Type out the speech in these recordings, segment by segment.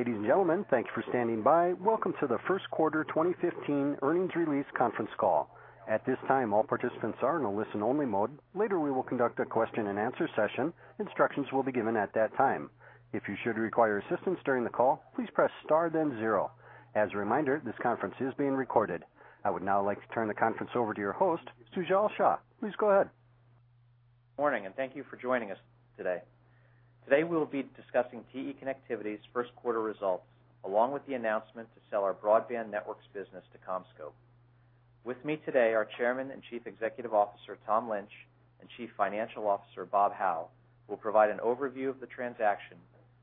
Ladies and gentlemen, thank you for standing by. Welcome to the first quarter 2015 earnings release conference call. At this time, all participants are in a listen-only mode. Later, we will conduct a question-and-answer session. Instructions will be given at that time. If you should require assistance during the call, please press star then zero. As a reminder, this conference is being recorded. I would now like to turn the conference over to your host, Sujal Shah. Please go ahead. Good morning, and thank you for joining us today. Today, we'll be discussing TE Connectivity's first quarter results, along with the announcement to sell our broadband networks business to CommScope. With me today, our Chairman and Chief Executive Officer, Tom Lynch, and chief financial officer, Bob Hau, will provide an overview of the transaction,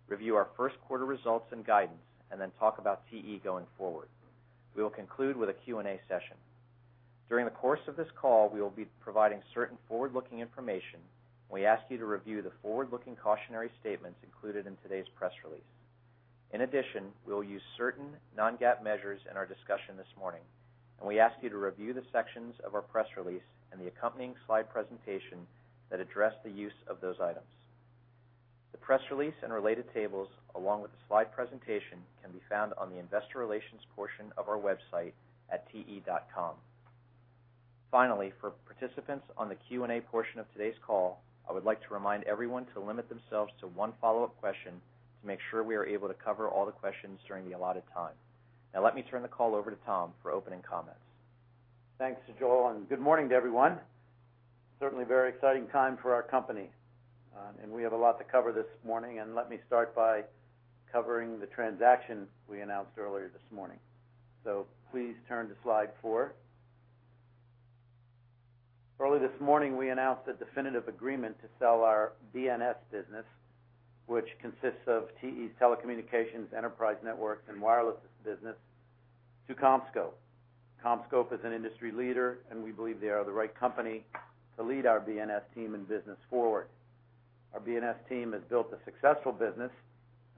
review our first quarter results and guidance, and then talk about TE going forward. We will conclude with a Q&A session. During the course of this call, we will be providing certain forward-looking information, and we ask you to review the forward-looking cautionary statements included in today's press release. In addition, we'll use certain Non-GAAP measures in our discussion this morning, and we ask you to review the sections of our press release and the accompanying slide presentation that address the use of those items. The press release and related tables, along with the slide presentation, can be found on the investor relations portion of our website at te.com. Finally, for participants on the Q&A portion of today's call, I would like to remind everyone to limit themselves to one follow-up question to make sure we are able to cover all the questions during the allotted time. Now, let me turn the call over to Tom for opening comments. Thanks, Sujal, and good morning to everyone. Certainly a very exciting time for our company, and we have a lot to cover this morning. Let me start by covering the transaction we announced earlier this morning. Please turn to slide 4. Early this morning, we announced a definitive agreement to sell our BNS business, which consists of TE's telecommunications, enterprise networks, and wireless business, to CommScope. CommScope is an industry leader, and we believe they are the right company to lead our BNS team and business forward. Our BNS team has built a successful business,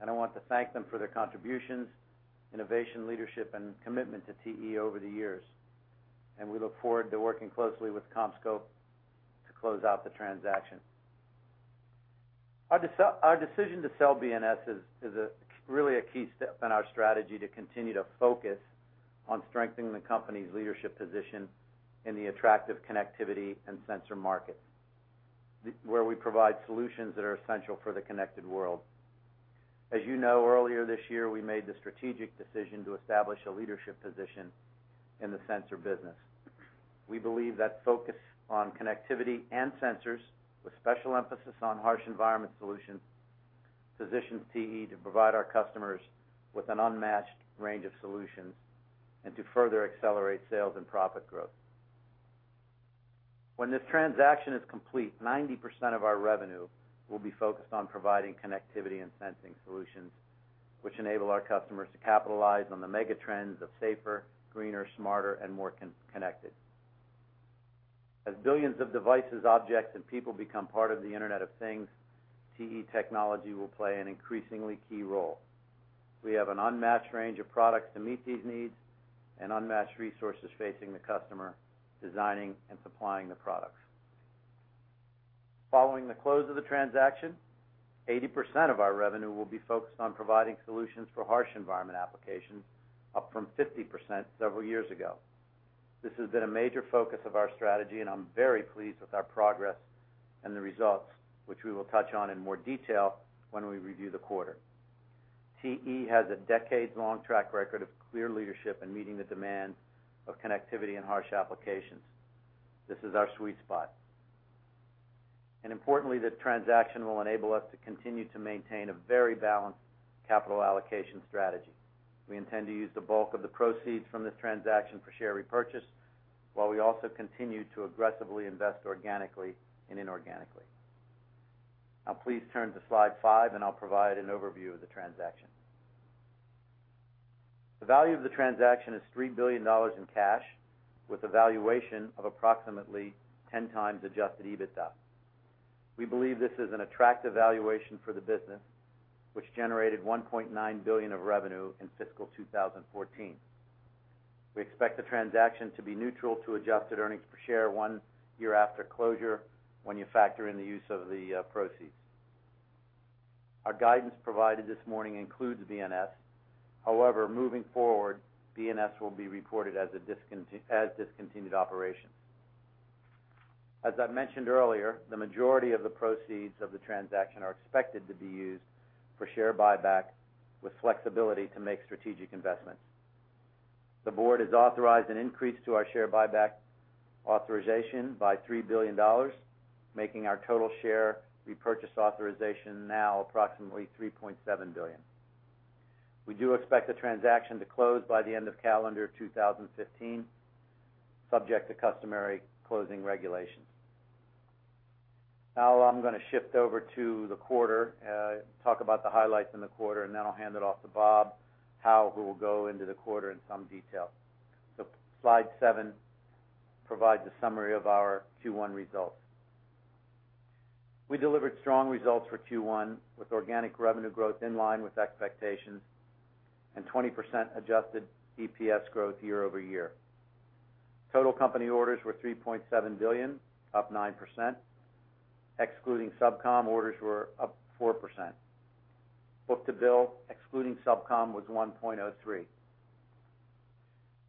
and I want to thank them for their contributions, innovation, leadership, and commitment to TE over the years. We look forward to working closely with CommScope to close out the transaction. Our decision to sell BNS is really a key step in our strategy to continue to focus on strengthening the company's leadership position in the attractive connectivity and sensor market, where we provide solutions that are essential for the connected world. As you know, earlier this year, we made the strategic decision to establish a leadership position in the sensor business. We believe that focus on connectivity and sensors, with special emphasis on harsh environment solutions, positions TE to provide our customers with an unmatched range of solutions and to further accelerate sales and profit growth. When this transaction is complete, 90% of our revenue will be focused on providing connectivity and sensing solutions, which enable our customers to capitalize on the mega trends of safer, greener, smarter, and more connected. As billions of devices, objects, and people become part of the Internet of Things, TE technology will play an increasingly key role. We have an unmatched range of products to meet these needs and unmatched resources facing the customer designing and supplying the products. Following the close of the transaction, 80% of our revenue will be focused on providing solutions for harsh environment applications, up from 50% several years ago. This has been a major focus of our strategy, and I'm very pleased with our progress and the results, which we will touch on in more detail when we review the quarter. TE has a decades-long track record of clear leadership in meeting the demand of connectivity and harsh applications. This is our sweet spot. Importantly, the transaction will enable us to continue to maintain a very balanced capital allocation strategy. We intend to use the bulk of the proceeds from this transaction for share repurchase, while we also continue to aggressively invest organically and inorganically. Now, please turn to slide five, and I'll provide an overview of the transaction. The value of the transaction is $3 billion in cash, with a valuation of approximately 10x adjusted EBITDA. We believe this is an attractive valuation for the business, which generated $1.9 billion of revenue in fiscal 2014. We expect the transaction to be neutral to adjusted earnings per share one year after closure, when you factor in the use of the proceeds. Our guidance provided this morning includes BNS. However, moving forward, BNS will be reported as discontinued operations. As I mentioned earlier, the majority of the proceeds of the transaction are expected to be used for share buyback, with flexibility to make strategic investments. The board has authorized an increase to our share buyback authorization by $3 billion, making our total share repurchase authorization now approximately $3.7 billion. We do expect the transaction to close by the end of calendar 2015, subject to customary closing regulations. Now, I'm going to shift over to the quarter, talk about the highlights in the quarter, and then I'll hand it off to Bob Hau, who will go into the quarter in some detail. So slide seven provides a summary of our Q1 results. We delivered strong results for Q1, with organic revenue growth in line with expectations and 20% adjusted EPS growth year-over-year. Total company orders were $3.7 billion, up 9%. Excluding SubCom, orders were up 4%. Book-to-bill, excluding SubCom, was 1.03.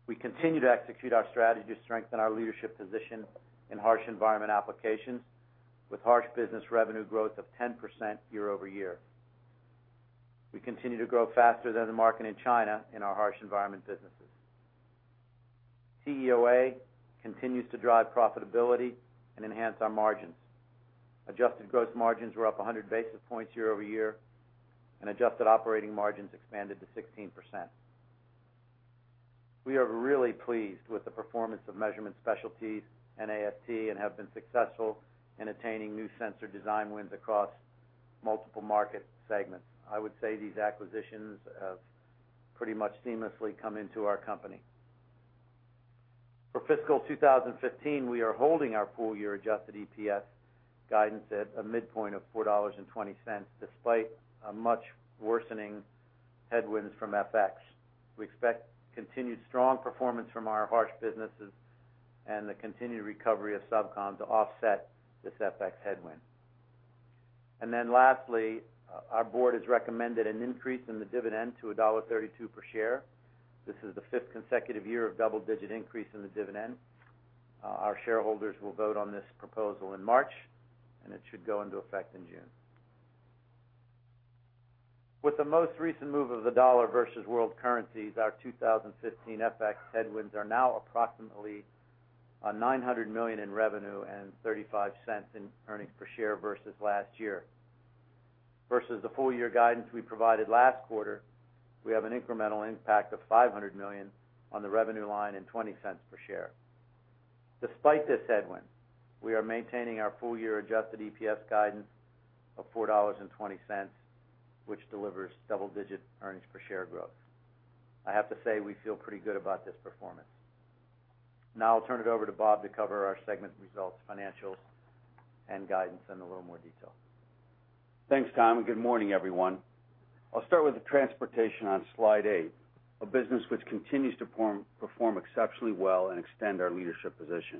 We continue to execute our strategy to strengthen our leadership position in harsh environment applications, with harsh business revenue growth of 10% year-over-year. We continue to grow faster than the market in China in our harsh environment businesses. TEOA continues to drive profitability and enhance our margins. Adjusted gross margins were up 100 basis points year-over-year, and adjusted operating margins expanded to 16%. We are really pleased with the performance of Measurement Specialties and AST and have been successful in attaining new sensor design wins across multiple market segments. I would say these acquisitions have pretty much seamlessly come into our company. For fiscal 2015, we are holding our full-year adjusted EPS guidance at a midpoint of $4.20, despite much worsening headwinds from FX. We expect continued strong performance from our harsh businesses and the continued recovery of SubCom to offset this FX headwind. Then lastly, our board has recommended an increase in the dividend to $1.32 per share. This is the fifth consecutive year of double-digit increase in the dividend. Our shareholders will vote on this proposal in March, and it should go into effect in June. With the most recent move of the dollar versus world currencies, our 2015 FX headwinds are now approximately $900 million in revenue and $0.35 in earnings per share versus last year. Versus the full-year guidance we provided last quarter, we have an incremental impact of $500 million on the revenue line and $0.20 per share. Despite this headwind, we are maintaining our full-year adjusted EPS guidance of $4.20, which delivers double-digit earnings per share growth. I have to say we feel pretty good about this performance. Now, I'll turn it over to Bob to cover our segment results, financials, and guidance in a little more detail. Thanks, Tom, and good morning, everyone. I'll start with the Transportation on slide eight, a business which continues to perform exceptionally well and extend our leadership position.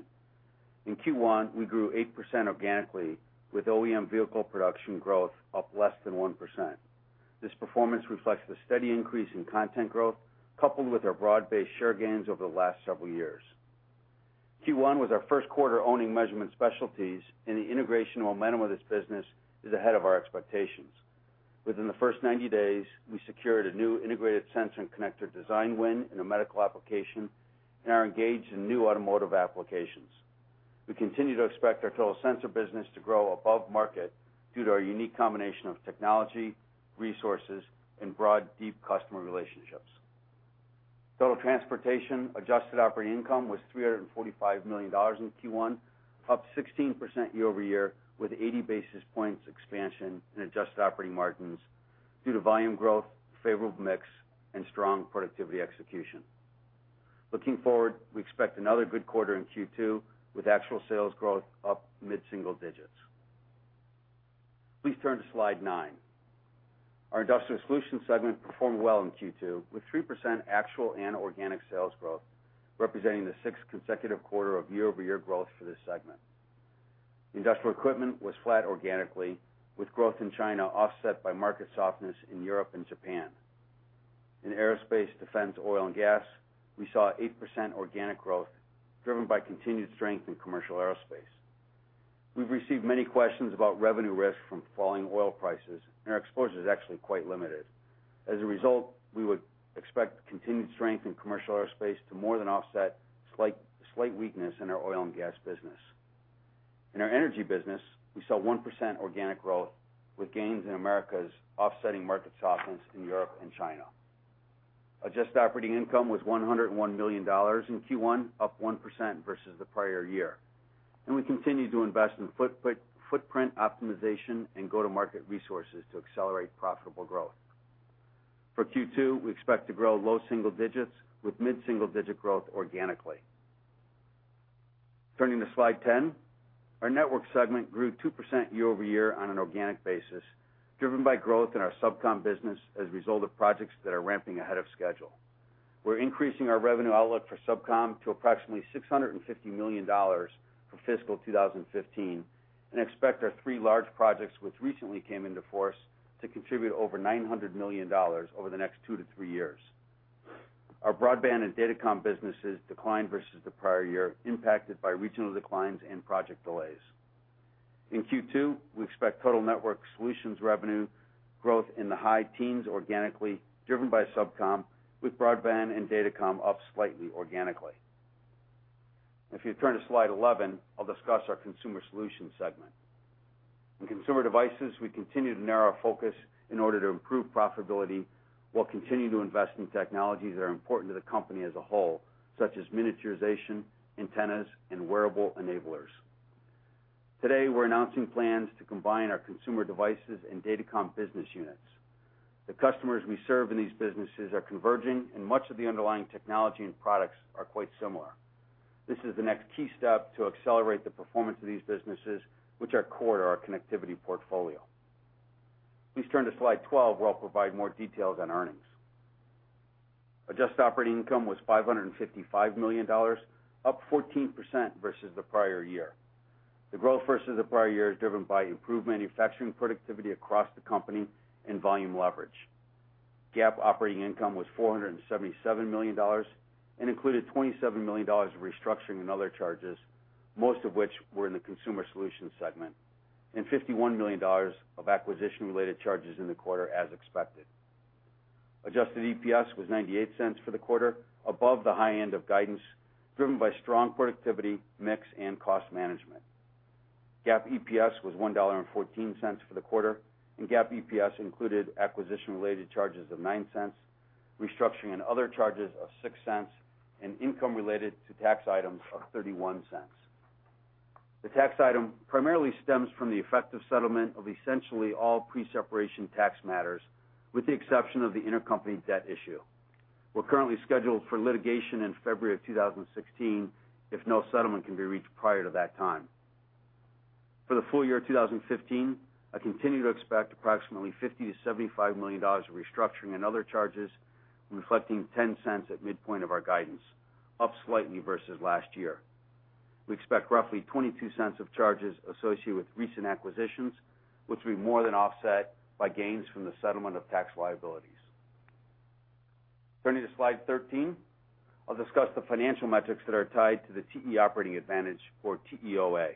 In Q1, we grew 8% organically, with OEM vehicle production growth up less than 1%. This performance reflects the steady increase in content growth, coupled with our broad-based share gains over the last several years. Q1 was our first quarter owning Measurement Specialties, and the integration momentum of this business is ahead of our expectations. Within the first 90 days, we secured a new integrated sensor and connector design win in a medical application and are engaged in new automotive applications. We continue to expect our total sensor business to grow above market due to our unique combination of technology, resources, and broad, deep customer relationships. Total Transportation adjusted operating income was $345 million in Q1, up 16% year-over-year, with 80 basis points expansion in adjusted operating margins due to volume growth, favorable mix, and strong productivity execution. Looking forward, we expect another good quarter in Q2, with actual sales growth up mid-single digits. Please turn to slide nine. Our Industrial Solutions segment performed well in Q2, with 3% actual and organic sales growth, representing the sixth consecutive quarter of year-over-year growth for this segment. Industrial equipment was flat organically, with growth in China offset by market softness in Europe and Japan. In aerospace, defense, oil, and gas, we saw 8% organic growth, driven by continued strength in commercial aerospace. We've received many questions about revenue risk from falling oil prices, and our exposure is actually quite limited. As a result, we would expect continued strength in commercial aerospace to more than offset slight weakness in our oil and gas business. In our energy business, we saw 1% organic growth, with gains in Americas offsetting market softness in Europe and China. Adjusted operating income was $101 million in Q1, up 1% versus the prior year. We continue to invest in footprint optimization and go-to-market resources to accelerate profitable growth. For Q2, we expect to grow low single digits, with mid-single digit growth organically. Turning to slide 10, our network segment grew 2% year-over-year on an organic basis, driven by growth in our SubCom business as a result of projects that are ramping ahead of schedule. We're increasing our revenue outlook for SubCom to approximately $650 million for fiscal 2015 and expect our three large projects, which recently came into force, to contribute over $900 million over the next two to three years. Our Broadband and DataCom businesses declined versus the prior year, impacted by regional declines and project delays. In Q2, we expect total network solutions revenue growth in the high teens organically, driven by SubCom, with Broadband and DataCom up slightly organically. If you turn to slide 11, I'll discuss our Consumer Solutions segment. In consumer devices, we continue to narrow our focus in order to improve profitability while continuing to invest in technologies that are important to the company as a whole, such as miniaturization, antennas, and wearable enablers. Today, we're announcing plans to combine our consumer devices and DataCom business units. The customers we serve in these businesses are converging, and much of the underlying technology and products are quite similar. This is the next key step to accelerate the performance of these businesses, which are core to our connectivity portfolio. Please turn to slide 12, where I'll provide more details on earnings. Adjusted operating income was $555 million, up 14% versus the prior year. The growth versus the prior year is driven by improved manufacturing productivity across the company and volume leverage. GAAP operating income was $477 million and included $27 million of restructuring and other charges, most of which were in the consumer solution segment, and $51 million of acquisition-related charges in the quarter, as expected. Adjusted EPS was $0.98 for the quarter, above the high end of guidance, driven by strong productivity, mix, and cost management. GAAP EPS was $1.14 for the quarter, and GAAP EPS included acquisition-related charges of $0.09, restructuring and other charges of $0.06, and income related to tax items of $0.31. The tax item primarily stems from the effective settlement of essentially all pre-separation tax matters, with the exception of the intercompany debt issue. We're currently scheduled for litigation in February of 2016, if no settlement can be reached prior to that time. For the full year of 2015, I continue to expect approximately $50 million-$75 million of restructuring and other charges, reflecting $0.10 at midpoint of our guidance, up slightly versus last year. We expect roughly $0.22 of charges associated with recent acquisitions, which we more than offset by gains from the settlement of tax liabilities. Turning to slide 13, I'll discuss the financial metrics that are tied to the TE Operating Advantage for TEOA.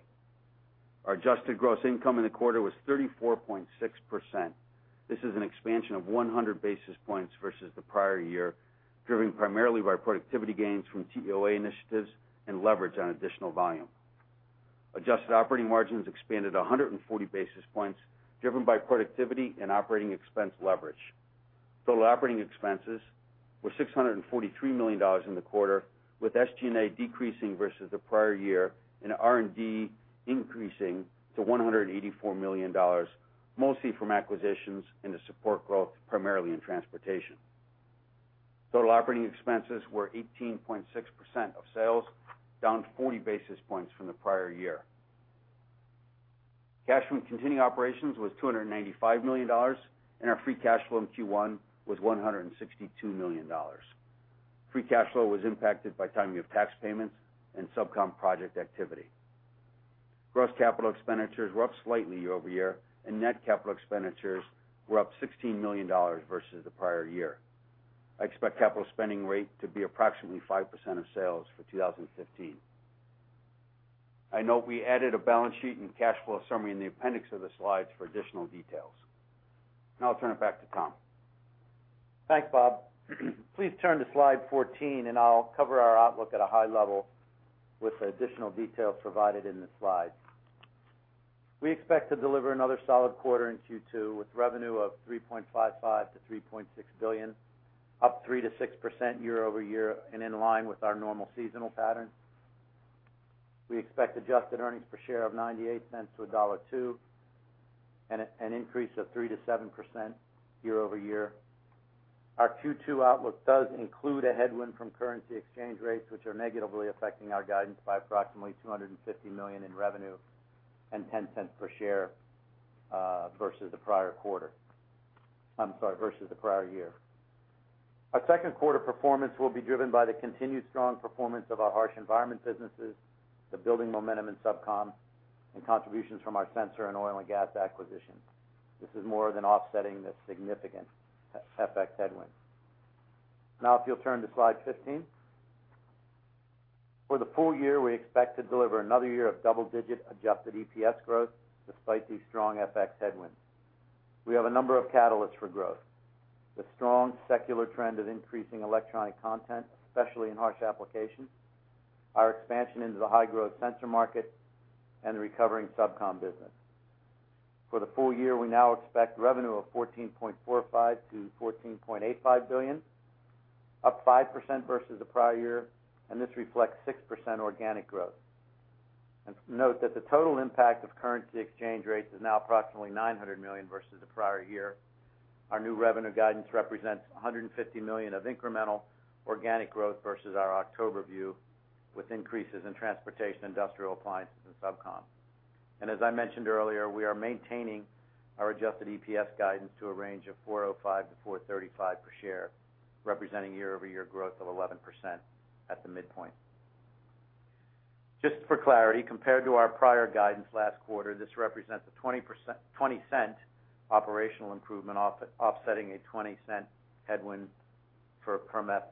Our adjusted gross income in the quarter was 34.6%. This is an expansion of 100 basis points versus the prior year, driven primarily by productivity gains from TEOA initiatives and leverage on additional volume. Adjusted operating margins expanded 140 basis points, driven by productivity and operating expense leverage. Total operating expenses were $643 million in the quarter, with SG&A decreasing versus the prior year and R&D increasing to $184 million, mostly from acquisitions and to support growth, primarily in Transportation. Total operating expenses were 18.6% of sales, down 40 basis points from the prior year. Cash from continuing operations was $295 million, and our free cash flow in Q1 was $162 million. Free cash flow was impacted by timing of tax payments and SubCom project activity. Gross capital expenditures were up slightly year-over-year, and net capital expenditures were up $16 million versus the prior year. I expect capital spending rate to be approximately 5% of sales for 2015. I note we added a balance sheet and cash flow summary in the appendix of the slides for additional details. Now, I'll turn it back to Tom. Thanks, Bob. Please turn to slide 14, and I'll cover our outlook at a high level with additional details provided in the slides. We expect to deliver another solid quarter in Q2 with revenue of $3.55 billion-$3.6 billion, up 3%-6% year-over-year and in line with our normal seasonal pattern. We expect adjusted earnings per share of $0.98-$1.02 and an increase of 3%-7% year-over-year. Our Q2 outlook does include a headwind from currency exchange rates, which are negatively affecting our guidance by approximately $250 million in revenue and $0.10 per share versus the prior quarter, I'm sorry, versus the prior year. Our second quarter performance will be driven by the continued strong performance of our harsh environment businesses, the building momentum in SubCom, and contributions from our sensor and oil and gas acquisitions. This is more than offsetting the significant FX headwind. Now, if you'll turn to slide 15. For the full year, we expect to deliver another year of double-digit adjusted EPS growth despite these strong FX headwinds. We have a number of catalysts for growth: the strong secular trend of increasing electronic content, especially in harsh applications, our expansion into the high-growth sensor market, and the recovering SubCom business. For the full year, we now expect revenue of $14.45 billion-$14.85 billion, up 5% versus the prior year, and this reflects 6% organic growth. Note that the total impact of currency exchange rates is now approximately $900 million versus the prior year. Our new revenue guidance represents $150 million of incremental organic growth versus our October view, with increases in Transportation, Industrial Appliances, and SubCom. As I mentioned earlier, we are maintaining our adjusted EPS guidance to a range of $405-$435 per share, representing year-over-year growth of 11% at the midpoint. Just for clarity, compared to our prior guidance last quarter, this represents a $0.20 operational improvement, offsetting a $0.20 headwind from FX.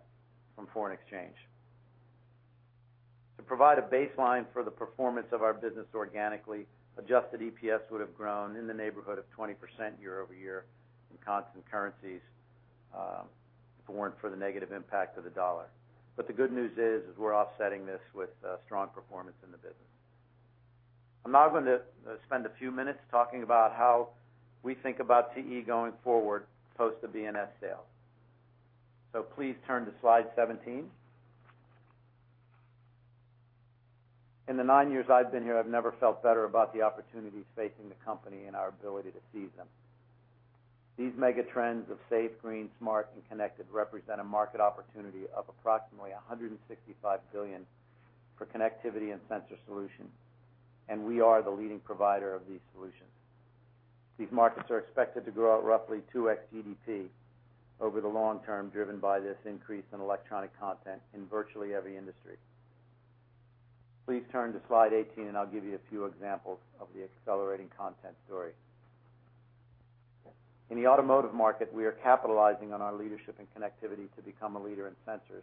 To provide a baseline for the performance of our business organically, adjusted EPS would have grown in the neighborhood of 20% year-over-year in constant currencies if it weren't for the negative impact of the dollar. But the good news is we're offsetting this with strong performance in the business. I'm now going to spend a few minutes talking about how we think about TE going forward post the BNS sale. Please turn to slide 17. In the nine years I've been here, I've never felt better about the opportunities facing the company and our ability to seize them. These mega trends of safe, green, smart, and connected represent a market opportunity of approximately $165 billion for connectivity and sensor solutions, and we are the leading provider of these solutions. These markets are expected to grow at roughly 2x GDP over the long term, driven by this increase in electronic content in virtually every industry. Please turn to slide 18, and I'll give you a few examples of the accelerating content story. In the automotive market, we are capitalizing on our leadership in connectivity to become a leader in sensors,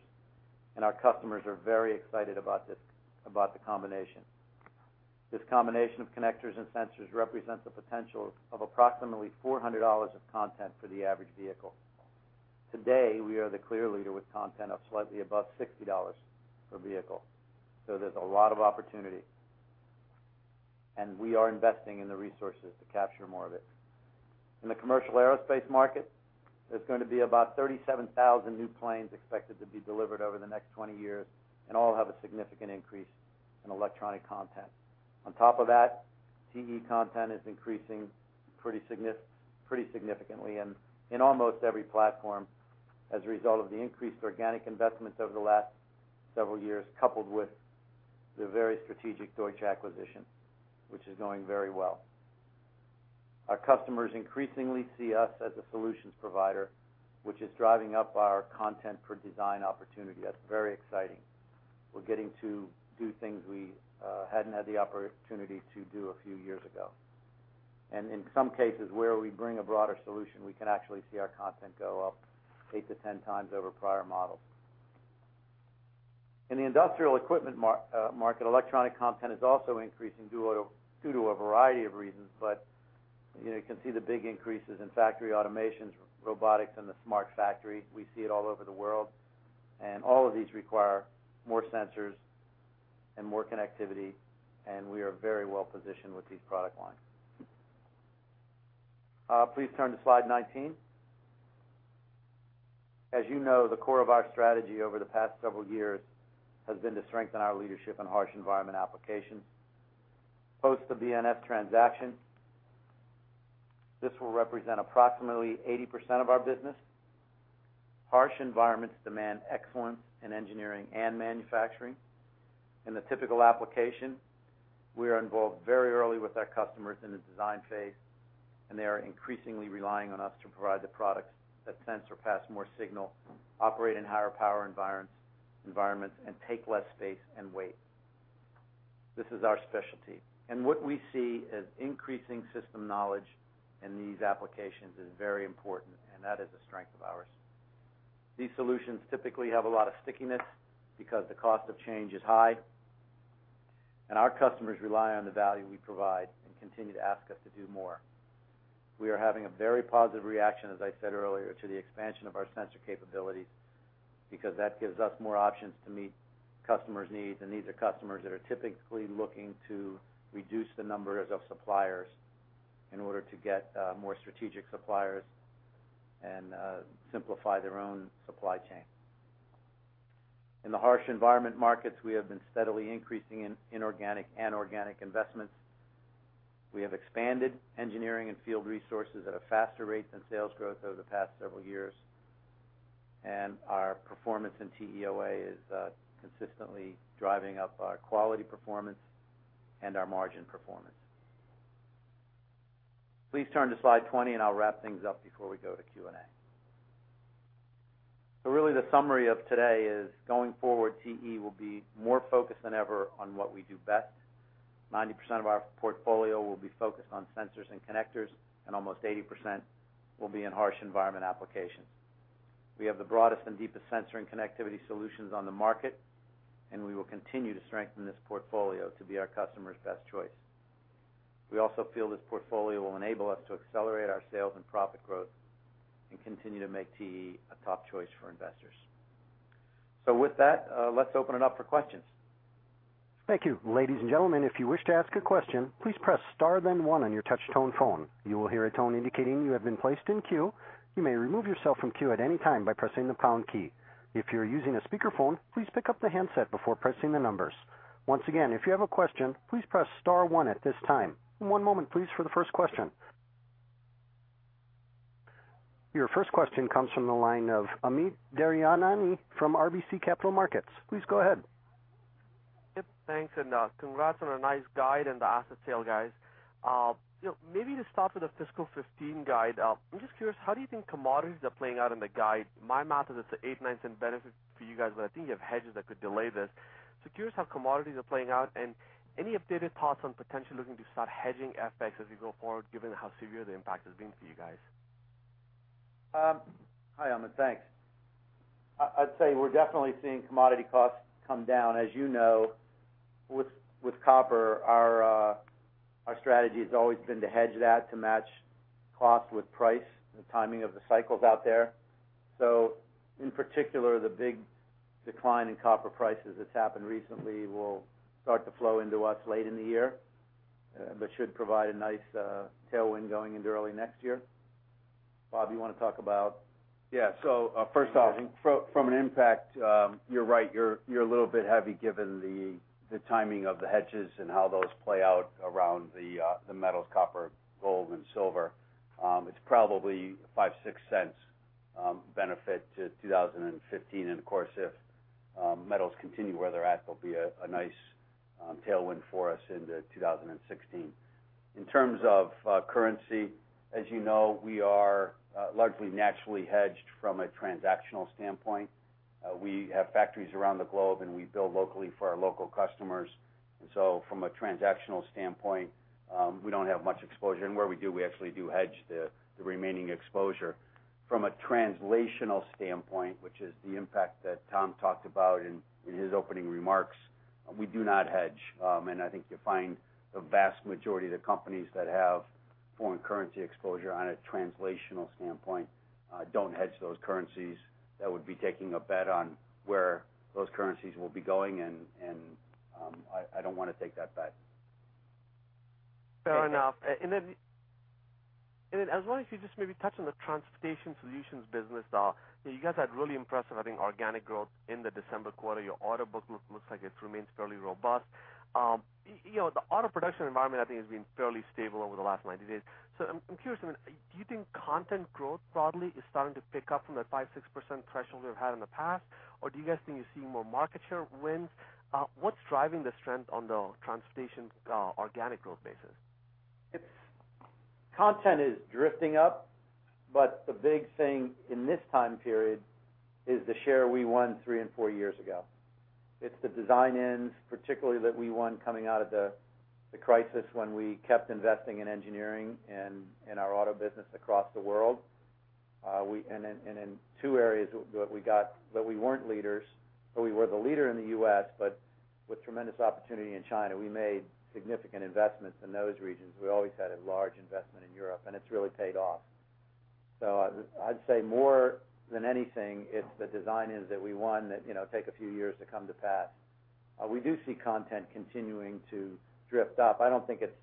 and our customers are very excited about the combination. This combination of connectors and sensors represents the potential of approximately $400 of content for the average vehicle. Today, we are the clear leader with content of slightly above $60 per vehicle. So there's a lot of opportunity, and we are investing in the resources to capture more of it. In the commercial aerospace market, there's going to be about 37,000 new planes expected to be delivered over the next 20 years, and all have a significant increase in electronic content. On top of that, TE content is increasing pretty significantly and in almost every platform as a result of the increased organic investments over the last several years, coupled with the very strategic Deutsch acquisition, which is going very well. Our customers increasingly see us as a solutions provider, which is driving up our content per design opportunity. That's very exciting. We're getting to do things we hadn't had the opportunity to do a few years ago. In some cases where we bring a broader solution, we can actually see our content go up 8-10 times over prior models. In the Industrial Equipment market, electronic content is also increasing due to a variety of reasons, but you can see the big increases in factory automations, robotics, and the smart factory. We see it all over the world, and all of these require more sensors and more connectivity, and we are very well positioned with these product lines. Please turn to slide 19. As you know, the core of our strategy over the past several years has been to strengthen our leadership in harsh environment applications. Post the BNS transaction, this will represent approximately 80% of our business. Harsh environments demand excellence in engineering and manufacturing. In the typical application, we are involved very early with our customers in the design phase, and they are increasingly relying on us to provide the products that send surpass more signal, operate in higher power environments, and take less space and weight. This is our specialty. What we see as increasing system knowledge in these applications is very important, and that is a strength of ours. These solutions typically have a lot of stickiness because the cost of change is high, and our customers rely on the value we provide and continue to ask us to do more. We are having a very positive reaction, as I said earlier, to the expansion of our sensor capabilities because that gives us more options to meet customers' needs, and these are customers that are typically looking to reduce the numbers of suppliers in order to get more strategic suppliers and simplify their own supply chain. In the harsh environment markets, we have been steadily increasing in organic and organic investments. We have expanded engineering and field resources at a faster rate than sales growth over the past several years, and our performance in TEOA is consistently driving up our quality performance and our margin performance. Please turn to slide 20, and I'll wrap things up before we go to Q&A. So really, the summary of today is going forward, TE will be more focused than ever on what we do best. 90% of our portfolio will be focused on sensors and connectors, and almost 80% will be in harsh environment applications. We have the broadest and deepest sensor and connectivity solutions on the market, and we will continue to strengthen this portfolio to be our customer's best choice. We also feel this portfolio will enable us to accelerate our sales and profit growth and continue to make TE a top choice for investors. With that, let's open it up for questions. Thank you. Ladies and gentlemen, if you wish to ask a question, please press Star then 1 on your touch-tone phone. You will hear a tone indicating you have been placed in queue. You may remove yourself from queue at any time by pressing the pound key. If you're using a speakerphone, please pick up the handset before pressing the numbers. Once again, if you have a question, please press Star 1 at this time. One moment, please, for the first question. Your first question comes from the line of Amit Daryanani from RBC Capital Markets. Please go ahead. Yep, thanks. Congrats on a nice guide and the asset sale, guys. Maybe to start with the fiscal 2015 guide, I'm just curious, how do you think commodities are playing out in the guide? My math is it's an eight-ninths in benefit for you guys, but I think you have hedges that could delay this. So curious how commodities are playing out and any updated thoughts on potentially looking to start hedging FX as we go forward, given how severe the impact has been for you guys. Hi, Amit. Thanks. I'd say we're definitely seeing commodity costs come down. As you know, with copper, our strategy has always been to hedge that to match cost with price, the timing of the cycles out there. So in particular, the big decline in copper prices that's happened recently will start to flow into us late in the year, but should provide a nice tailwind going into early next year. Bob, you want to talk about? Yeah. So first off, from an impact, you're right. You're a little bit heavy given the timing of the hedges and how those play out around the metals, copper, gold, and silver. It's probably a $0.05-$0.06 benefit to 2015. And of course, if metals continue where they're at, there'll be a nice tailwind for us into 2016. In terms of currency, as you know, we are largely naturally hedged from a transactional standpoint. We have factories around the globe, and we build locally for our local customers. And so from a transactional standpoint, we don't have much exposure. And where we do, we actually do hedge the remaining exposure. From a translational standpoint, which is the impact that Tom talked about in his opening remarks, we do not hedge. I think you find the vast majority of the companies that have foreign currency exposure on a translational standpoint don't hedge those currencies. That would be taking a bet on where those currencies will be going, and I don't want to take that bet. Fair enough. Then as long as you just maybe touch on the Transportation solutions business, you guys had really impressive, I think, organic growth in the December quarter. Your order book looks like it remains fairly robust. The auto production environment, I think, has been fairly stable over the last 90 days. I'm curious, do you think content growth broadly is starting to pick up from that 5%-6% threshold we've had in the past, or do you guys think you're seeing more market share wins? What's driving the strength on the Transportation organic growth basis? Content is drifting up, but the big thing in this time period is the share we won 3 and 4 years ago. It's the design wins, particularly that we won coming out of the crisis when we kept investing in engineering and in our auto business across the world. And in two areas that we got, that we weren't leaders, but we were the leader in the U.S., but with tremendous opportunity in China. We made significant investments in those regions. We always had a large investment in Europe, and it's really paid off. So I'd say more than anything, it's the design wins that we won that take a few years to come to pass. We do see content continuing to drift up. I don't think it's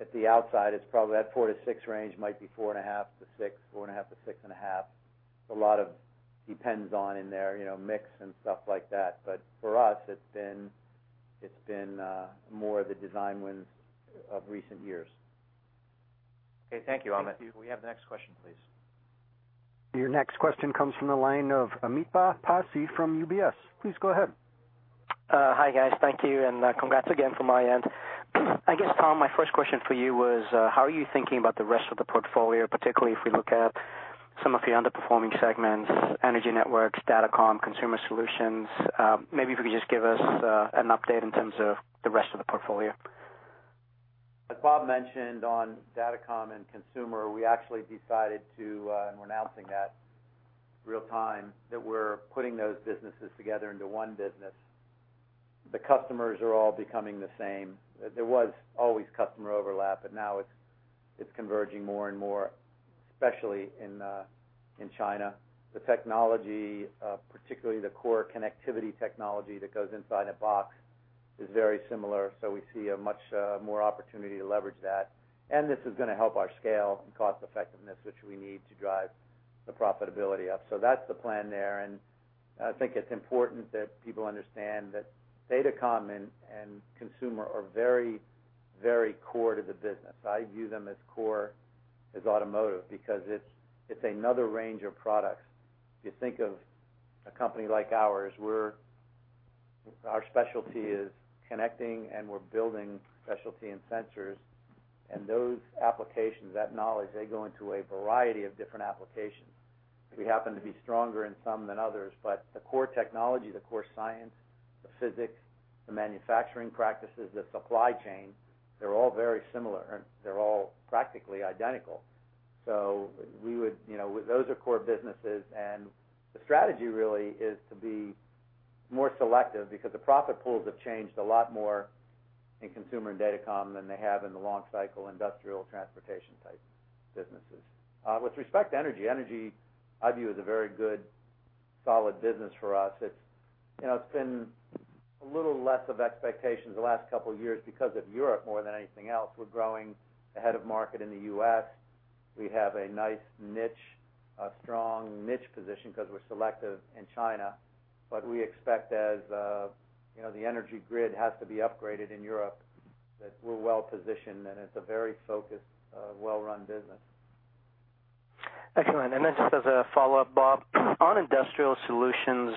at the outside. It's probably that 4-6 range, might be 4.5-6, 4.5-6.5. A lot depends on in there, mix and stuff like that. But for us, it's been more of the design wins of recent years. Okay. Thank you, Amit. We have the next question, please. Your next question comes from the line of Amitabh Passi from UBS. Please go ahead. Hi, guys. Thank you. And congrats again from my end. I guess, Tom, my first question for you was, how are you thinking about the rest of the portfolio, particularly if we look at some of your underperforming segments, energy networks, DataCom, consumer solutions? Maybe if you could just give us an update in terms of the rest of the portfolio. As Bob mentioned, on DataCom and consumer, we actually decided to, and we're announcing that real time, that we're putting those businesses together into one business. The customers are all becoming the same. There was always customer overlap, but now it's converging more and more, especially in China. The technology, particularly the core connectivity technology that goes inside a box, is very similar. So we see much more opportunity to leverage that. And this is going to help our scale and cost effectiveness, which we need to drive the profitability up. So that's the plan there. And I think it's important that people understand that DataCom and consumer are very, very core to the business. I view them as core as automotive because it's another range of products. If you think of a company like ours, our specialty is connecting, and we're building specialty in sensors. Those applications, that knowledge, they go into a variety of different applications. We happen to be stronger in some than others, but the core technology, the core science, the physics, the manufacturing practices, the supply chain, they're all very similar. They're all practically identical. So we would, those are core businesses. And the strategy really is to be more selective because the profit pools have changed a lot more in Consumer and DataCom than they have in the long cycle Industrial Transportation type businesses. With respect to energy, energy, I view as a very good solid business for us. It's been a little less of expectations the last couple of years because of Europe more than anything else. We're growing ahead of market in the U.S. We have a nice niche, a strong niche position because we're selective in China. We expect as the energy grid has to be upgraded in Europe that we're well positioned, and it's a very focused, well-run business. Excellent. And then just as a follow-up, Bob, on Industrial Solutions,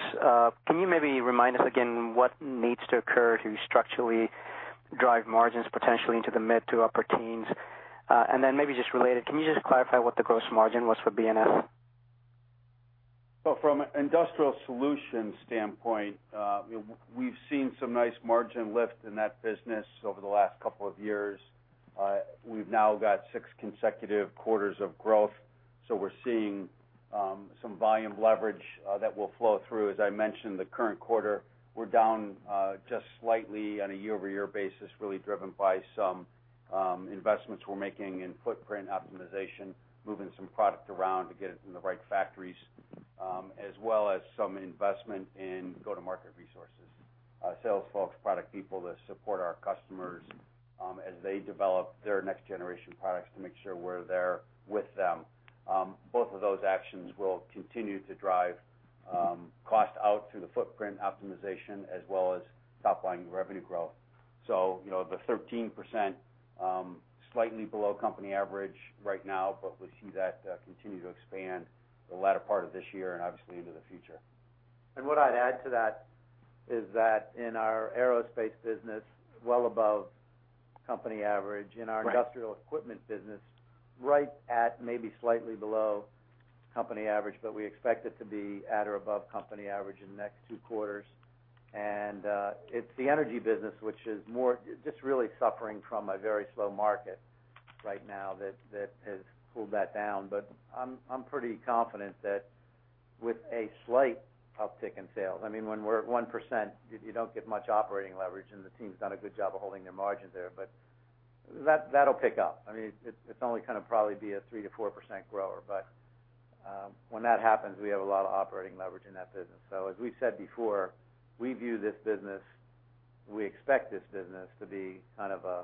can you maybe remind us again what needs to occur to structurally drive margins potentially into the mid to upper teens? And then maybe just related, can you just clarify what the gross margin was for BNS? Well, from an Industrial Solutions standpoint, we've seen some nice margin lift in that business over the last couple of years. We've now got six consecutive quarters of growth. So we're seeing some volume leverage that will flow through. As I mentioned, the current quarter, we're down just slightly on a year-over-year basis, really driven by some investments we're making in footprint optimization, moving some product around to get it in the right factories, as well as some investment in go-to-market resources, sales folks, product people to support our customers as they develop their next-generation products to make sure we're there with them. Both of those actions will continue to drive cost out through the footprint optimization as well as top-line revenue growth. So the 13% slightly below company average right now, but we see that continue to expand the latter part of this year and obviously into the future. And what I'd add to that is that in our aerospace business, well above company average. In our Industrial Equipment business, right at maybe slightly below company average, but we expect it to be at or above company average in the next two quarters. And it's the Energy business which is just really suffering from a very slow market right now that has pulled that down. But I'm pretty confident that with a slight uptick in sales. I mean, when we're at 1%, you don't get much operating leverage, and the team's done a good job of holding their margins there. But that'll pick up. I mean, it's only going to probably be a 3%-4% grower. But when that happens, we have a lot of operating leverage in that business. So as we've said before, we view this business, we expect this business to be kind of a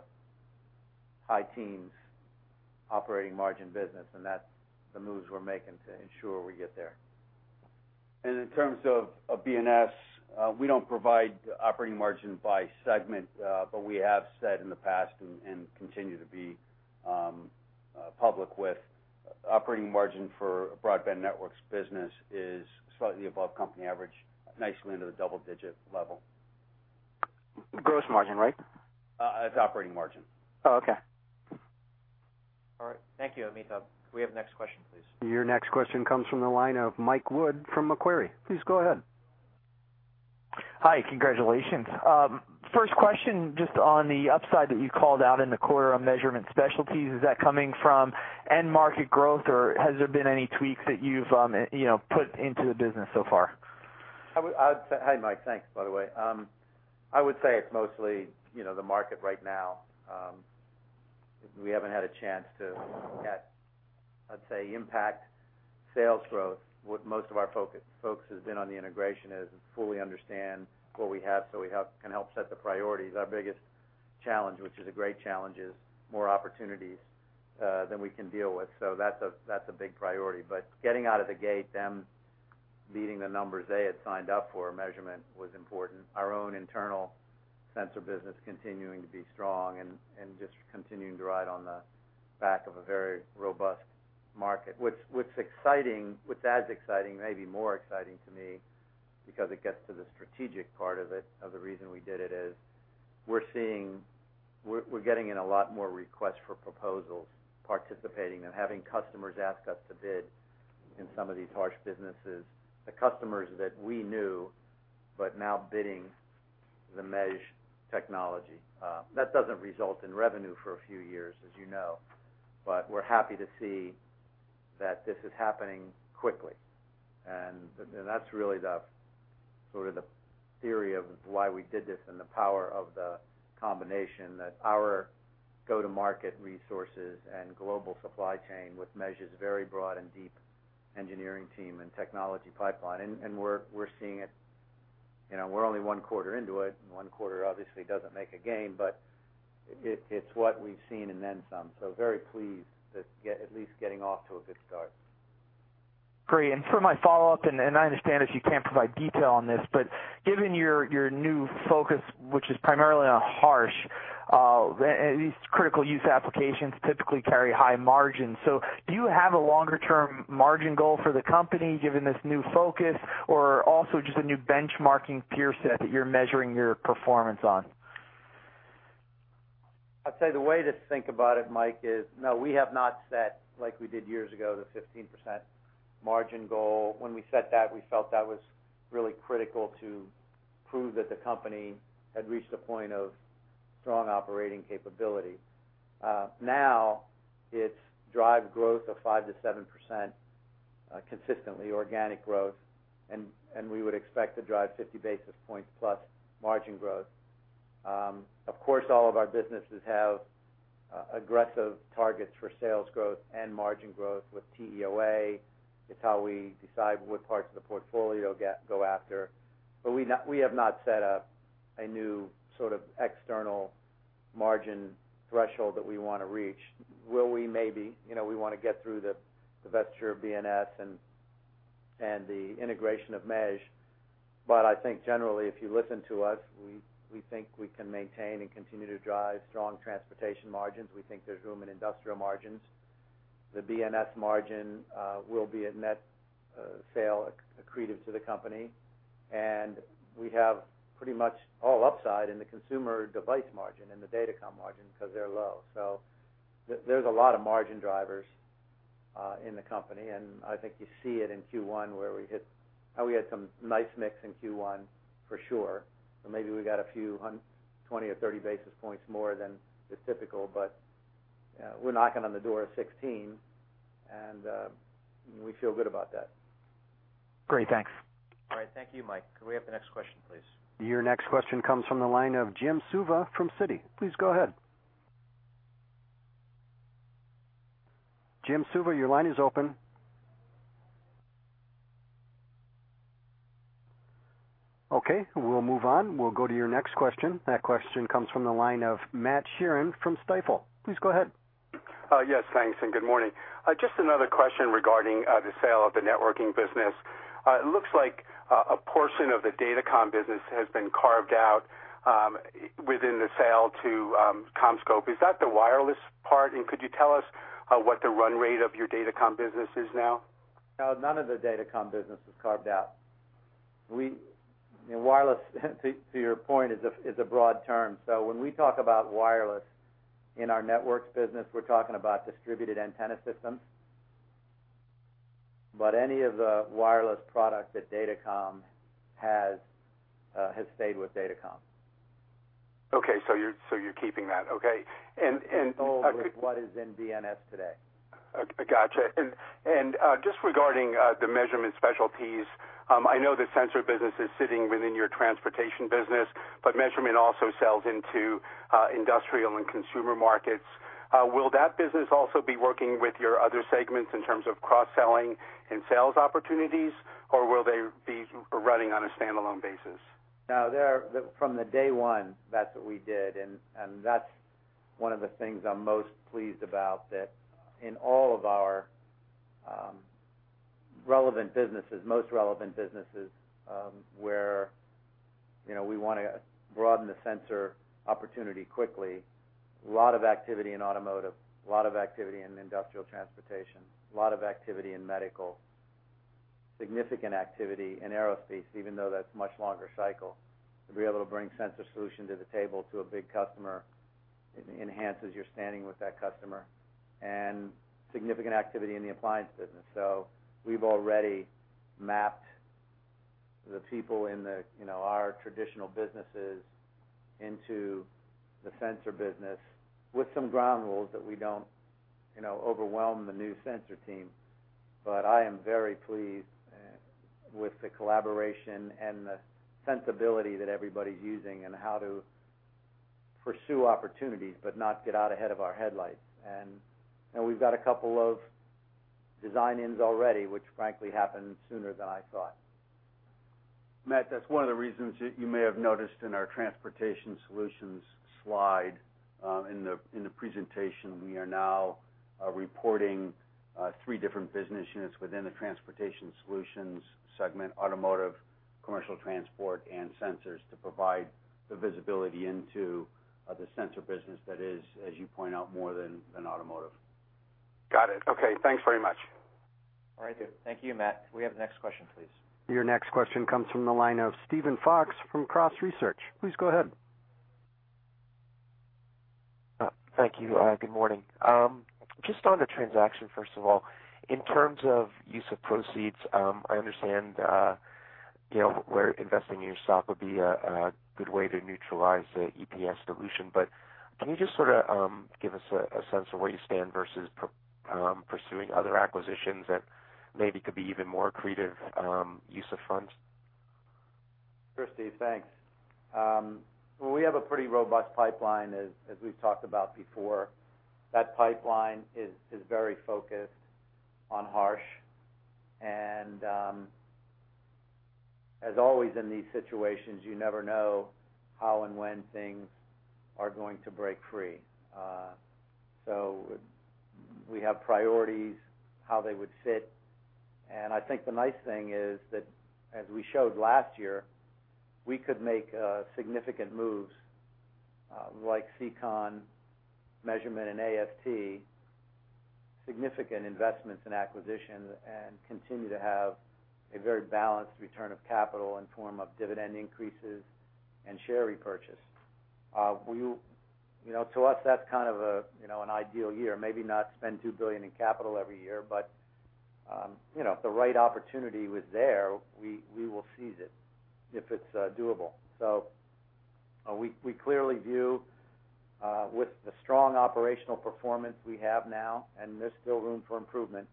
high teens operating margin business, and that's the moves we're making to ensure we get there. In terms of BNS, we don't provide operating margin by segment, but we have said in the past and continue to be public with operating margin for Broadband Networks business is slightly above company average, nicely into the double-digit level. Gross margin, right? It's operating margin. Oh, okay. All right. Thank you, Amit. We have the next question, please. Your next question comes from the line of Mike Wood from Macquarie. Please go ahead. Hi. Congratulations. First question, just on the upside that you called out in the quarter of Measurement Specialties, is that coming from end-market growth, or has there been any tweaks that you've put into the business so far? I would say, "Hey, Mike. Thanks, by the way." I would say it's mostly the market right now. We haven't had a chance to, I'd say, impact sales growth. What most of our focus has been on the integration is fully understand what we have so we can help set the priorities. Our biggest challenge, which is a great challenge, is more opportunities than we can deal with. So that's a big priority. But getting out of the gate, them beating the numbers they had signed up for Measurement was important. Our own internal sensor business continuing to be strong and just continuing to ride on the back of a very robust market. What's exciting, what's as exciting, maybe more exciting to me because it gets to the strategic part of it, of the reason we did it, is we're getting in a lot more requests for proposals participating and having customers ask us to bid in some of these harsh businesses. The customers that we knew, but now bidding the MEAS technology. That doesn't result in revenue for a few years, as you know. But we're happy to see that this is happening quickly. And that's really sort of the theory of why we did this and the power of the combination that our go-to-market resources and global supply chain with MEAS's very broad and deep engineering team and technology pipeline. And we're seeing it. We're only one quarter into it. One quarter obviously doesn't make a gain, but it's what we've seen and then some. So, very pleased that at least getting off to a good start. Great. For my follow-up, and I understand if you can't provide detail on this, but given your new focus, which is primarily on harsh, these critical use applications typically carry high margins. So do you have a longer-term margin goal for the company given this new focus or also just a new benchmarking peer set that you're measuring your performance on? I'd say the way to think about it, Mike, is no, we have not set like we did years ago the 15% margin goal. When we set that, we felt that was really critical to prove that the company had reached a point of strong operating capability. Now it's drive growth of 5%-7% consistently, organic growth. And we would expect to drive 50 basis points plus margin growth. Of course, all of our businesses have aggressive targets for sales growth and margin growth with TEOA. It's how we decide what parts of the portfolio go after. But we have not set a new sort of external margin threshold that we want to reach. Will we? Maybe. We want to get through the divestiture of BNS and the integration of MEAS. But I think generally, if you listen to us, we think we can maintain and continue to drive strong Transportation margins. We think there's room in Industrial margins. The BNS margin will be a net sale accretive to the company. And we have pretty much all upside in the consumer device margin and the DataCom margin because they're low. So there's a lot of margin drivers in the company. And I think you see it in Q1 where we hit how we had some nice mix in Q1 for sure. But maybe we got a few 20 or 30 basis points more than is typical, but we're knocking on the door of 16%. And we feel good about that. Great. Thanks. All right. Thank you, Mike. Can we have the next question, please? Your next question comes from the line of Jim Suva from Citi. Please go ahead. Jim Suva, your line is open. Okay. We'll move on. We'll go to your next question. That question comes from the line of Matt Sheerin from Stifel. Please go ahead. Yes. Thanks. And good morning. Just another question regarding the sale of the networking business. It looks like a portion of the DataCom business has been carved out within the sale to CommScope. Is that the wireless part? And could you tell us what the run rate of your DataCom business is now? No. None of the DataCom business is carved out. Wireless, to your point, is a broad term. So when we talk about Wireless in our Networks business, we're talking about distributed antenna systems. But any of the Wireless products that DataCom has stayed with DataCom. Okay. So you're keeping that. Okay. And. All of what is in BNS today. Gotcha. And just regarding Measurement Specialties, I know the Sensor business is sitting within your Transportation business, but Measurement Specialties also sells into Industrial and Consumer markets. Will that business also be working with your other segments in terms of cross-selling and sales opportunities, or will they be running on a standalone basis? No. From day one, that's what we did. That's one of the things I'm most pleased about, that in all of our relevant businesses, most relevant businesses where we want to broaden the sensor opportunity quickly, a lot of activity in automotive, a lot of activity in Industrial Transportation, a lot of activity in medical, significant activity in aerospace, even though that's a much longer cycle. To be able to bring sensor solution to the table to a big customer enhances your standing with that customer. And significant activity in the appliance business. So we've already mapped the people in our traditional businesses into the sensor business with some ground rules that we don't overwhelm the new sensor team. But I am very pleased with the collaboration and the sensibility that everybody's using and how to pursue opportunities but not get out ahead of our headlights. We've got a couple of design-ins already, which frankly happened sooner than I thought. Matt, that's one of the reasons you may have noticed in our Transportation Solutions slide in the presentation. We are now reporting three different business units within the Transportation Solutions segment: automotive, commercial transport, and sensors to provide the visibility into the sensor business that is, as you point out, more than automotive. Got it. Okay. Thanks very much. All right. Thank you, Matt. We have the next question, please. Your next question comes from the line of Steven Fox from Cross Research. Please go ahead. Thank you. Good morning. Just on the transaction, first of all, in terms of use of proceeds, I understand where investing in your stock would be a good way to neutralize the EPS solution. But can you just sort of give us a sense of where you stand versus pursuing other acquisitions that maybe could be even more accretive use of funds? Sure, Steve. Thanks. Well, we have a pretty robust pipeline, as we've talked about before. That pipeline is very focused on harsh. And as always in these situations, you never know how and when things are going to break free. So we have priorities, how they would fit. And I think the nice thing is that, as we showed last year, we could make significant moves like SEACON, Measurement, and AST, significant investments and acquisitions, and continue to have a very balanced return of capital in the form of dividend increases and share repurchase. To us, that's kind of an ideal year. Maybe not spend $2 billion in capital every year, but if the right opportunity was there, we will seize it if it's doable. So we clearly view, with the strong operational performance we have now, and there's still room for improvement,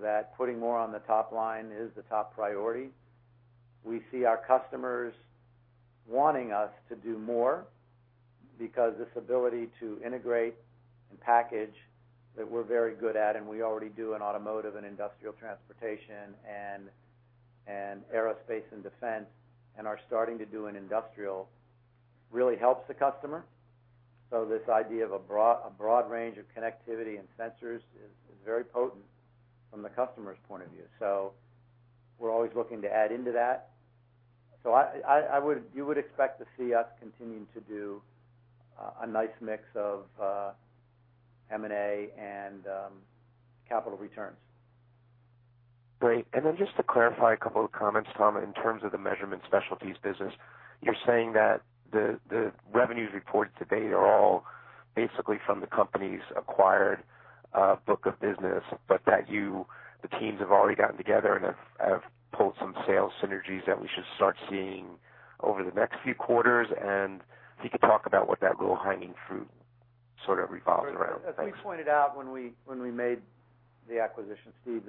that putting more on the top line is the top priority. We see our customers wanting us to do more because this ability to integrate and package that we're very good at, and we already do in Automotive and Industrial Transportation and Aerospace and Defense and are starting to do in Industrial really helps the customer. So this idea of a broad range of connectivity and sensors is very potent from the customer's point of view. So we're always looking to add into that. So you would expect to see us continue to do a nice mix of M&A and capital returns. Great. And then just to clarify a couple of comments, Tom, in terms of the Measurement Specialties business, you're saying that the revenues reported today are all basically from the company's acquired book of business, but that the teams have already gotten together and have pulled some sales synergies that we should start seeing over the next few quarters. And if you could talk about what that little hanging fruit sort of revolves around? Please point it out when we made the acquisition, Steve.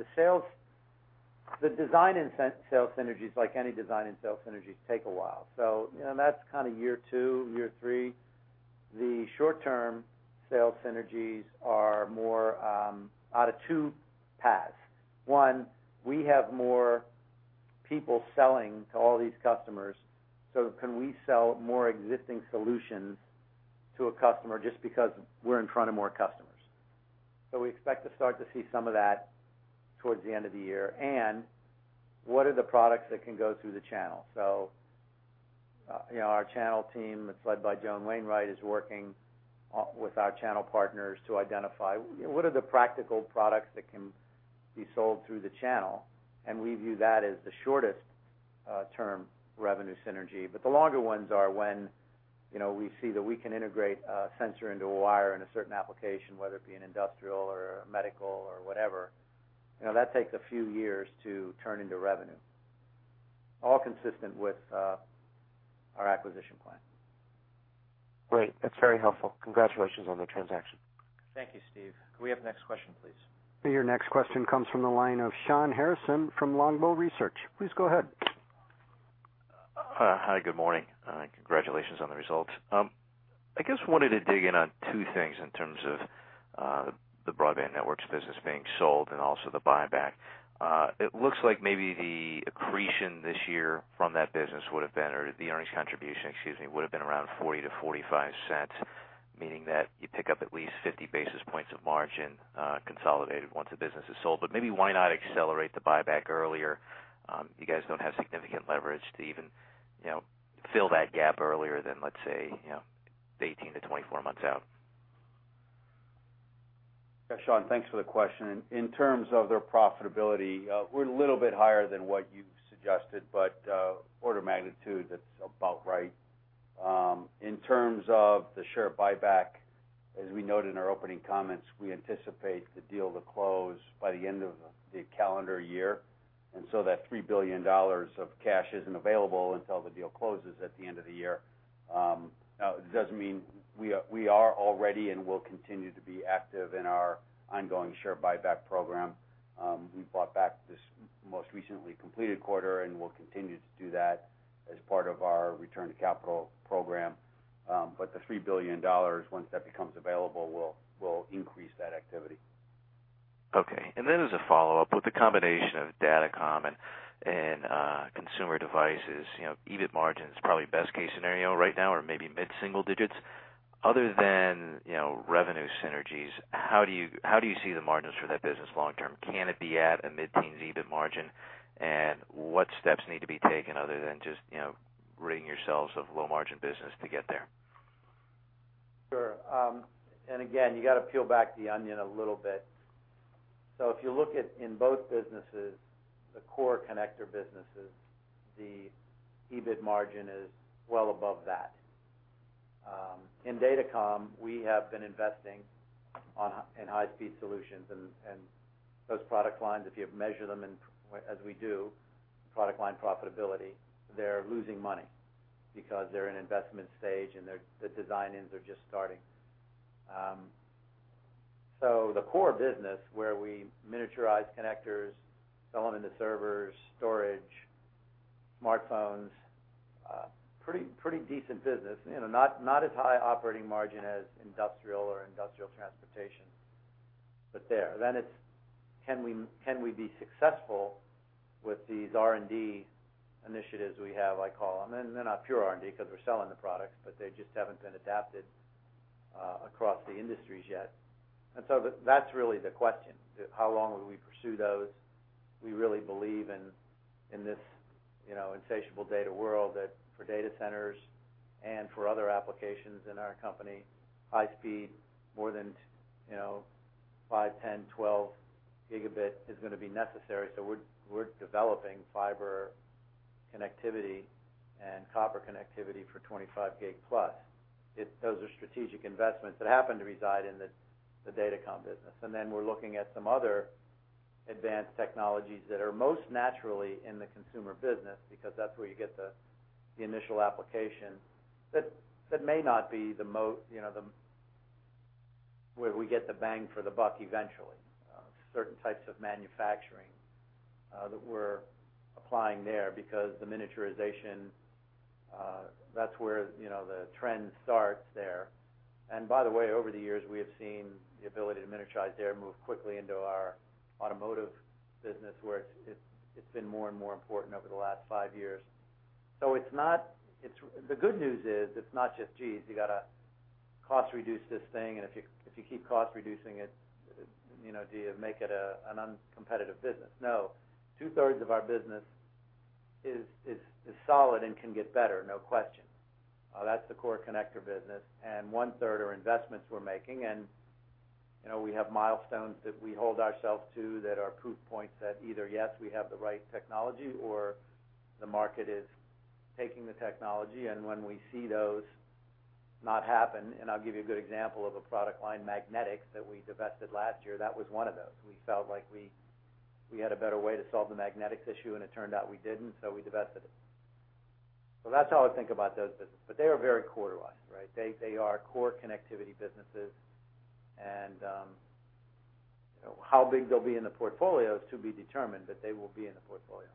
The design and sales synergies, like any design and sales synergies, take a while. So that's kind of year two, year three. The short-term sales synergies are more out of two paths. One, we have more people selling to all these customers. So can we sell more existing solutions to a customer just because we're in front of more customers? So we expect to start to see some of that towards the end of the year. And what are the products that can go through the channel? So our channel team, it's led by Joan Wainwright, is working with our channel partners to identify what are the practical products that can be sold through the channel. And we view that as the shortest-term revenue synergy. But the longer ones are when we see that we can integrate a sensor into a wire in a certain application, whether it be an industrial or a medical or whatever. That takes a few years to turn into revenue, all consistent with our acquisition plan. Great. That's very helpful. Congratulations on the transaction. Thank you, Steve. Can we have the next question, please? Your next question comes from the line of Shawn Harrison from Longbow Research. Please go ahead. Hi. Good morning. Congratulations on the results. I guess wanted to dig in on two things in terms of the Broadband Networks business being sold and also the buyback. It looks like maybe the accretion this year from that business would have been, or the earnings contribution, excuse me, would have been around $0.40-$0.45, meaning that you pick up at least 50 basis points of margin consolidated once the business is sold. But maybe why not accelerate the buyback earlier? You guys don't have significant leverage to even fill that gap earlier than, let's say, 18-24 months out. Yeah. Shawn, thanks for the question. In terms of their profitability, we're a little bit higher than what you suggested, but order of magnitude, it's about right. In terms of the share buyback, as we noted in our opening comments, we anticipate the deal to close by the end of the calendar year. And so that $3 billion of cash isn't available until the deal closes at the end of the year. Now, it doesn't mean we are already and will continue to be active in our ongoing share buyback program. We bought back this most recently completed quarter, and we'll continue to do that as part of our return to capital program. But the $3 billion, once that becomes available, will increase that activity. Okay. And then as a follow-up, with the combination of DataCom and consumer devices, EBIT margin is probably best case scenario right now or maybe mid-single digits. Other than revenue synergies, how do you see the margins for that business long-term? Can it be at a mid-teens EBIT margin? And what steps need to be taken other than just ridding yourselves of low-margin business to get there? Sure. And again, you got to peel back the onion a little bit. So if you look at in both businesses, the core Connector businesses, the EBIT margin is well above that. In DataCom, we have been investing in high-speed solutions. And those product lines, if you measure them as we do, product line profitability, they're losing money because they're in investment stage and the design ins are just starting. So the core business where we miniaturize connectors, sell them into servers, storage, smartphones, pretty decent business, not as high operating margin as Industrial or Industrial Transportation, but there. Then it's, can we be successful with these R&D initiatives we have, I call them? And they're not pure R&D because we're selling the products, but they just haven't been adapted across the industries yet. And so that's really the question. How long will we pursue those? We really believe in this insatiable data world that for data centers and for other applications in our company, high-speed, more than 5, 10, 12 gigabit is going to be necessary. So we're developing fiber connectivity and copper connectivity for 25 Gig plus. Those are strategic investments that happen to reside in the DataCom business. And then we're looking at some other advanced technologies that are most naturally in the Consumer business because that's where you get the initial application that may not be the where we get the bang for the buck eventually. Certain types of manufacturing that we're applying there because the miniaturization, that's where the trend starts there. And by the way, over the years, we have seen the ability to miniaturize there move quickly into our automotive business where it's been more and more important over the last five years. The good news is it's not just, "Geez, you got to cost reduce this thing." If you keep cost reducing it, do you make it an uncompetitive business? No. Two-thirds of our business is solid and can get better, no question. That's the core Connector business. One-third are investments we're making. We have milestones that we hold ourselves to that are proof points that either, yes, we have the right technology or the market is taking the technology. When we see those not happen, and I'll give you a good example of a product line, Magnetics, that we divested last year, that was one of those. We felt like we had a better way to solve the Magnetics issue, and it turned out we didn't. So we divested it. That's how I think about those businesses. They are very core to us, right? They are core Connectivity businesses. And how big they'll be in the portfolio is to be determined, but they will be in the portfolio.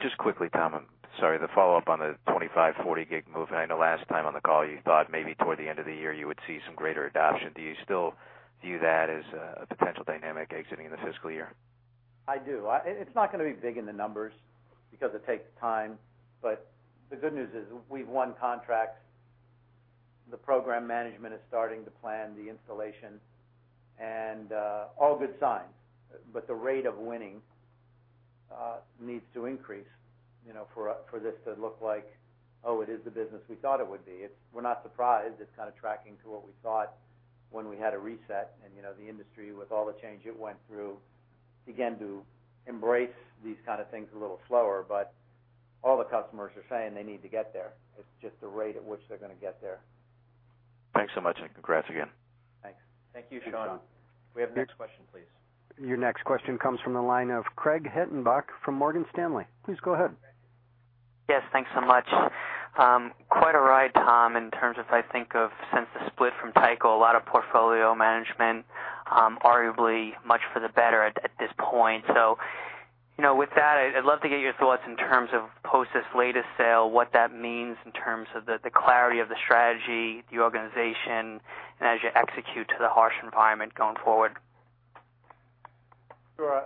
Just quickly, Tom, I'm sorry, the follow-up on the 25, 40 Gig move. I know last time on the call, you thought maybe toward the end of the year you would see some greater adoption. Do you still view that as a potential dynamic exiting in the fiscal year? I do. It's not going to be big in the numbers because it takes time. But the good news is we've won contracts. The program management is starting to plan the installation. And all good signs. But the rate of winning needs to increase for this to look like, "Oh, it is the business we thought it would be." We're not surprised. It's kind of tracking to what we thought when we had a reset. And the industry, with all the change it went through, began to embrace these kinds of things a little slower. But all the customers are saying they need to get there. It's just the rate at which they're going to get there. Thanks so much. And congrats again. Thanks. Thank you, Shawn. We have the next question, please. Your next question comes from the line of Craig Hettenbach from Morgan Stanley. Please go ahead. Yes. Thanks so much. Quite a ride, Tom, in terms of, I think, since the split from Tyco, a lot of portfolio management, arguably much for the better at this point. So with that, I'd love to get your thoughts in terms of Post's latest sale, what that means in terms of the clarity of the strategy, the organization, and as you execute to the harsh environment going forward. Sure.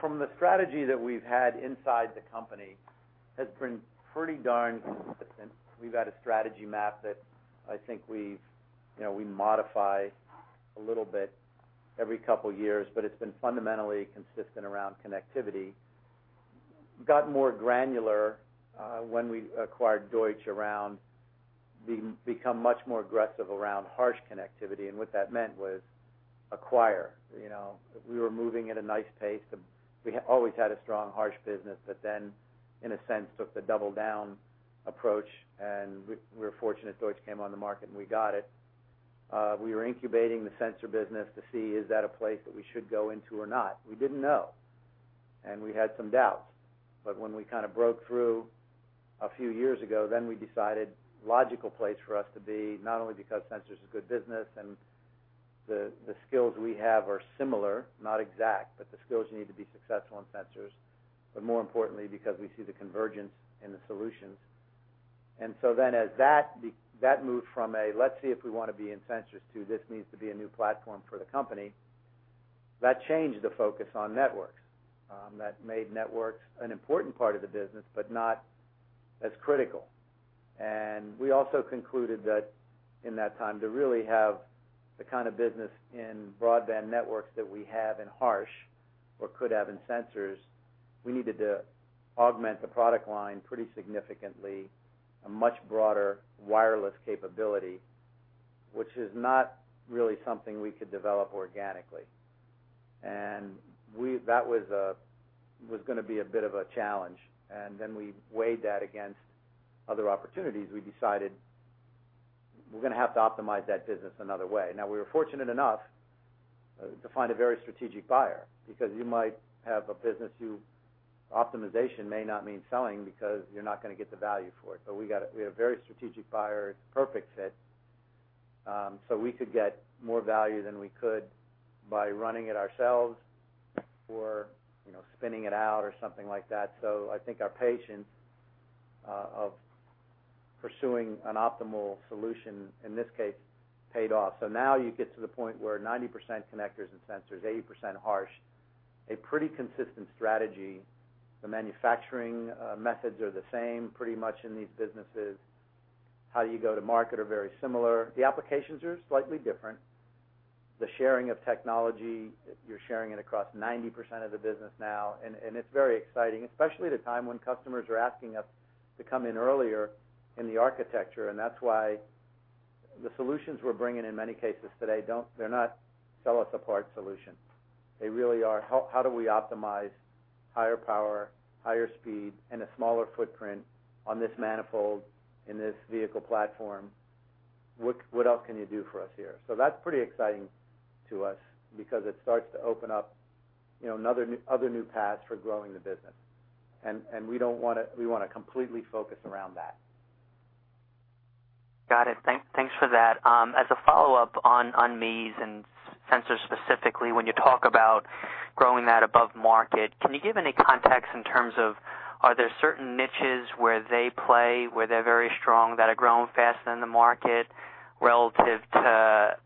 From the strategy that we've had inside the company, it's been pretty darn consistent. We've had a strategy map that I think we modify a little bit every couple of years, but it's been fundamentally consistent around connectivity. Got more granular when we acquired Deutsch around become much more aggressive around harsh connectivity. And what that meant was acquire. We were moving at a nice pace. We always had a strong harsh business, but then, in a sense, took the double-down approach. And we were fortunate Deutsch came on the market and we got it. We were incubating the sensor business to see, is that a place that we should go into or not? We didn't know. And we had some doubts. But when we kind of broke through a few years ago, then we decided logical place for us to be, not only because Sensors is a good business and the skills we have are similar, not exact, but the skills you need to be successful in Sensors, but more importantly, because we see the convergence in the solutions. And so then, as that moved from a, "Let's see if we want to be in sensors," to, "This needs to be a new platform for the company," that changed the focus on networks. That made networks an important part of the business, but not as critical. We also concluded that in that time to really have the kind of business in broadband networks that we have in harsh or could have in sensors, we needed to augment the product line pretty significantly, a much broader wireless capability, which is not really something we could develop organically. That was going to be a bit of a challenge. Then we weighed that against other opportunities. We decided we're going to have to optimize that business another way. Now, we were fortunate enough to find a very strategic buyer because you might have a business. Optimization may not mean selling because you're not going to get the value for it. But we had a very strategic buyer, perfect fit. We could get more value than we could by running it ourselves or spinning it out or something like that. So I think our patience of pursuing an optimal solution in this case paid off. So now you get to the point where 90% Connectors and Sensors, 80% Harsh, a pretty consistent strategy. The manufacturing methods are the same pretty much in these businesses. How do you go to market are very similar. The applications are slightly different. The sharing of technology, you're sharing it across 90% of the business now. And it's very exciting, especially at a time when customers are asking us to come in earlier in the architecture. And that's why the solutions we're bringing in many cases today, they're not siloed-apart solutions. They really are, how do we optimize higher power, higher speed, and a smaller footprint on this manifold in this vehicle platform? What else can you do for us here? That's pretty exciting to us because it starts to open up other new paths for growing the business. We want to completely focus around that. Got it. Thanks for that. As a follow-up on MEAS and Sensors specifically, when you talk about growing that above market, can you give any context in terms of are there certain niches where they play, where they're very strong, that are growing faster than the market relative to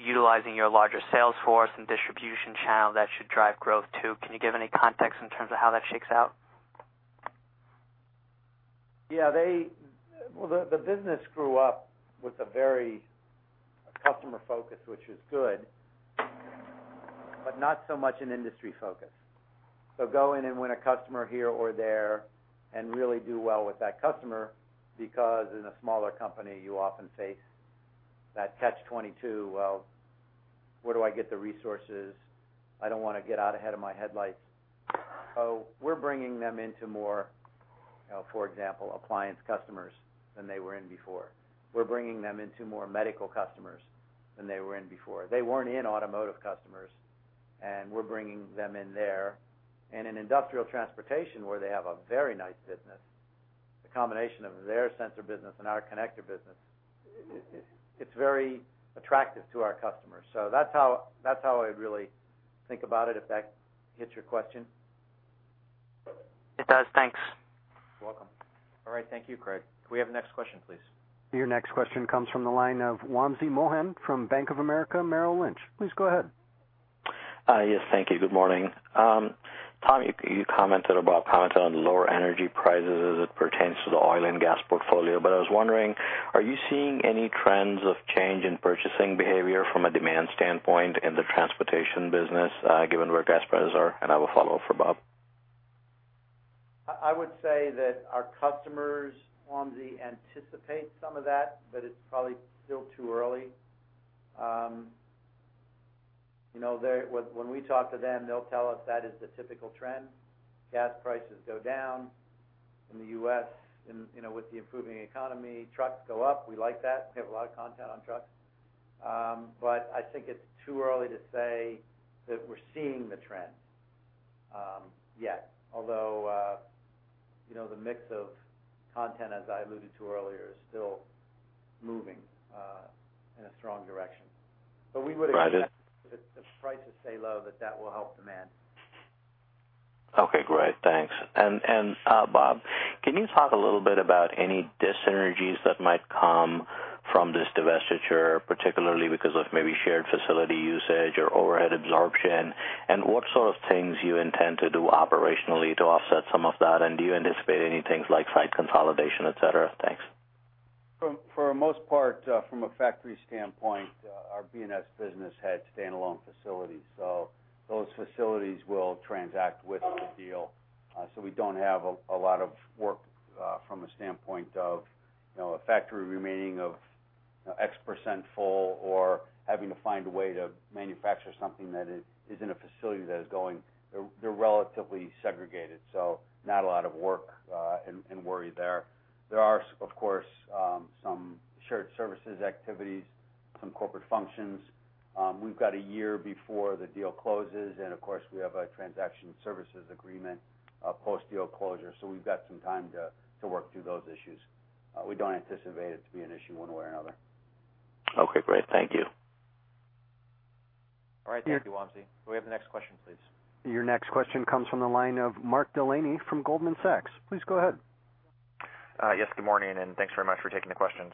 utilizing your larger sales force and distribution channel that should drive growth too? Can you give any context in terms of how that shakes out? Yeah. Well, the business grew up with a very customer focus, which is good, but not so much an industry focus. So go in and win a customer here or there and really do well with that customer because in a smaller company, you often face that Catch-22, "Well, where do I get the resources? I don't want to get out ahead of my headlights." So we're bringing them into more, for example, appliance customers than they were in before. We're bringing them into more medical customers than they were in before. They weren't in automotive customers. And we're bringing them in there. And in Industrial Transportation, where they have a very nice business, the combination of their Sensor business and our Connector business, it's very attractive to our customers. So that's how I really think about it, if that hits your question. It does. Thanks. You're welcome. All right. Thank you, Craig. Can we have the next question, please? Your next question comes from the line of Wamsi Mohan from Bank of America Merrill Lynch. Please go ahead. Yes. Thank you. Good morning. Tom, you commented about commenting on lower energy prices as it pertains to the oil and gas portfolio. But I was wondering, are you seeing any trends of change in purchasing behavior from a demand standpoint in the Transportation business, given where gas prices are? And I have a follow-up for Bob. I would say that our customers, Wamsi, anticipate some of that, but it's probably still too early. When we talk to them, they'll tell us that is the typical trend. Gas prices go down in the U.S. with the improving economy. Trucks go up. We like that. We have a lot of content on trucks. But I think it's too early to say that we're seeing the trend yet, although the mix of content, as I alluded to earlier, is still moving in a strong direction. But we would expect if the prices stay low that that will help demand. Okay. Great. Thanks. Bob, can you talk a little bit about any dis-synergies that might come from this divestiture, particularly because of maybe shared facility usage or overhead absorption? What sort of things do you intend to do operationally to offset some of that? Do you anticipate any things like site consolidation, etc.? Thanks. For the most part, from a factory standpoint, our BNS business had standalone facilities. So those facilities will transact with the deal. So we don't have a lot of work from a standpoint of a factory remaining of X% full or having to find a way to manufacture something that is in a facility that is going. They're relatively segregated. So not a lot of work and worry there. There are, of course, some shared services activities, some corporate functions. We've got a year before the deal closes. And of course, we have a Transaction Services Agreement post-deal closure. So we've got some time to work through those issues. We don't anticipate it to be an issue one way or another. Okay. Great. Thank you. All right. Thank you, Wamsi. Will we have the next question, please? Your next question comes from the line of Mark Delaney from Goldman Sachs. Please go ahead. Yes. Good morning. And thanks very much for taking the questions.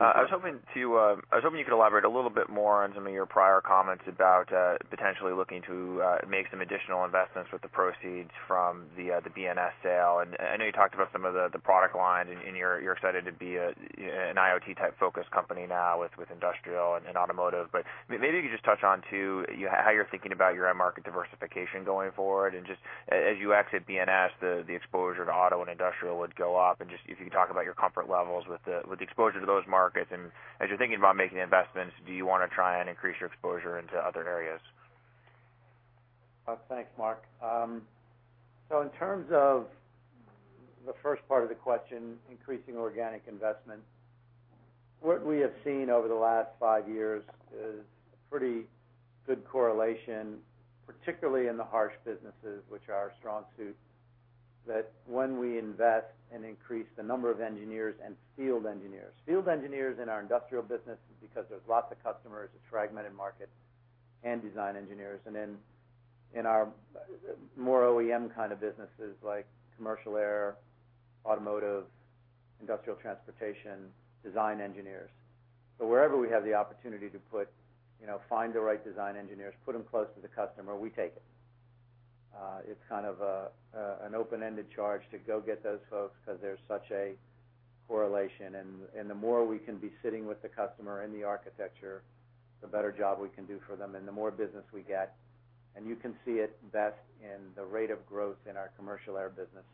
I was hoping you could elaborate a little bit more on some of your prior comments about potentially looking to make some additional investments with the proceeds from the BNS sale. And I know you talked about some of the product lines. And you're excited to be an IoT-type focus company now with Industrial and Automotive. But maybe you could just touch on too how you're thinking about your end market diversification going forward. And just as you exit BNS, the exposure to Auto and Industrial would go up. And just if you could talk about your comfort levels with the exposure to those markets. And as you're thinking about making investments, do you want to try and increase your exposure into other areas? Thanks, Mark. So in terms of the first part of the question, increasing organic investment, what we have seen over the last five years is a pretty good correlation, particularly in the harsh businesses, which are our strong suit, that when we invest and increase the number of engineers and field engineers. Field engineers in our Industrial business is because there's lots of customers. It's a fragmented market. And design engineers. And then in our more OEM kind of businesses like Commercial Air, Automotive, Industrial Transportation, Design Engineers. So wherever we have the opportunity to find the right design engineers, put them close to the customer, we take it. It's kind of an open-ended charge to go get those folks because there's such a correlation. And the more we can be sitting with the customer in the architecture, the better job we can do for them. The more business we get, and you can see it best in the rate of growth in our Commercial air business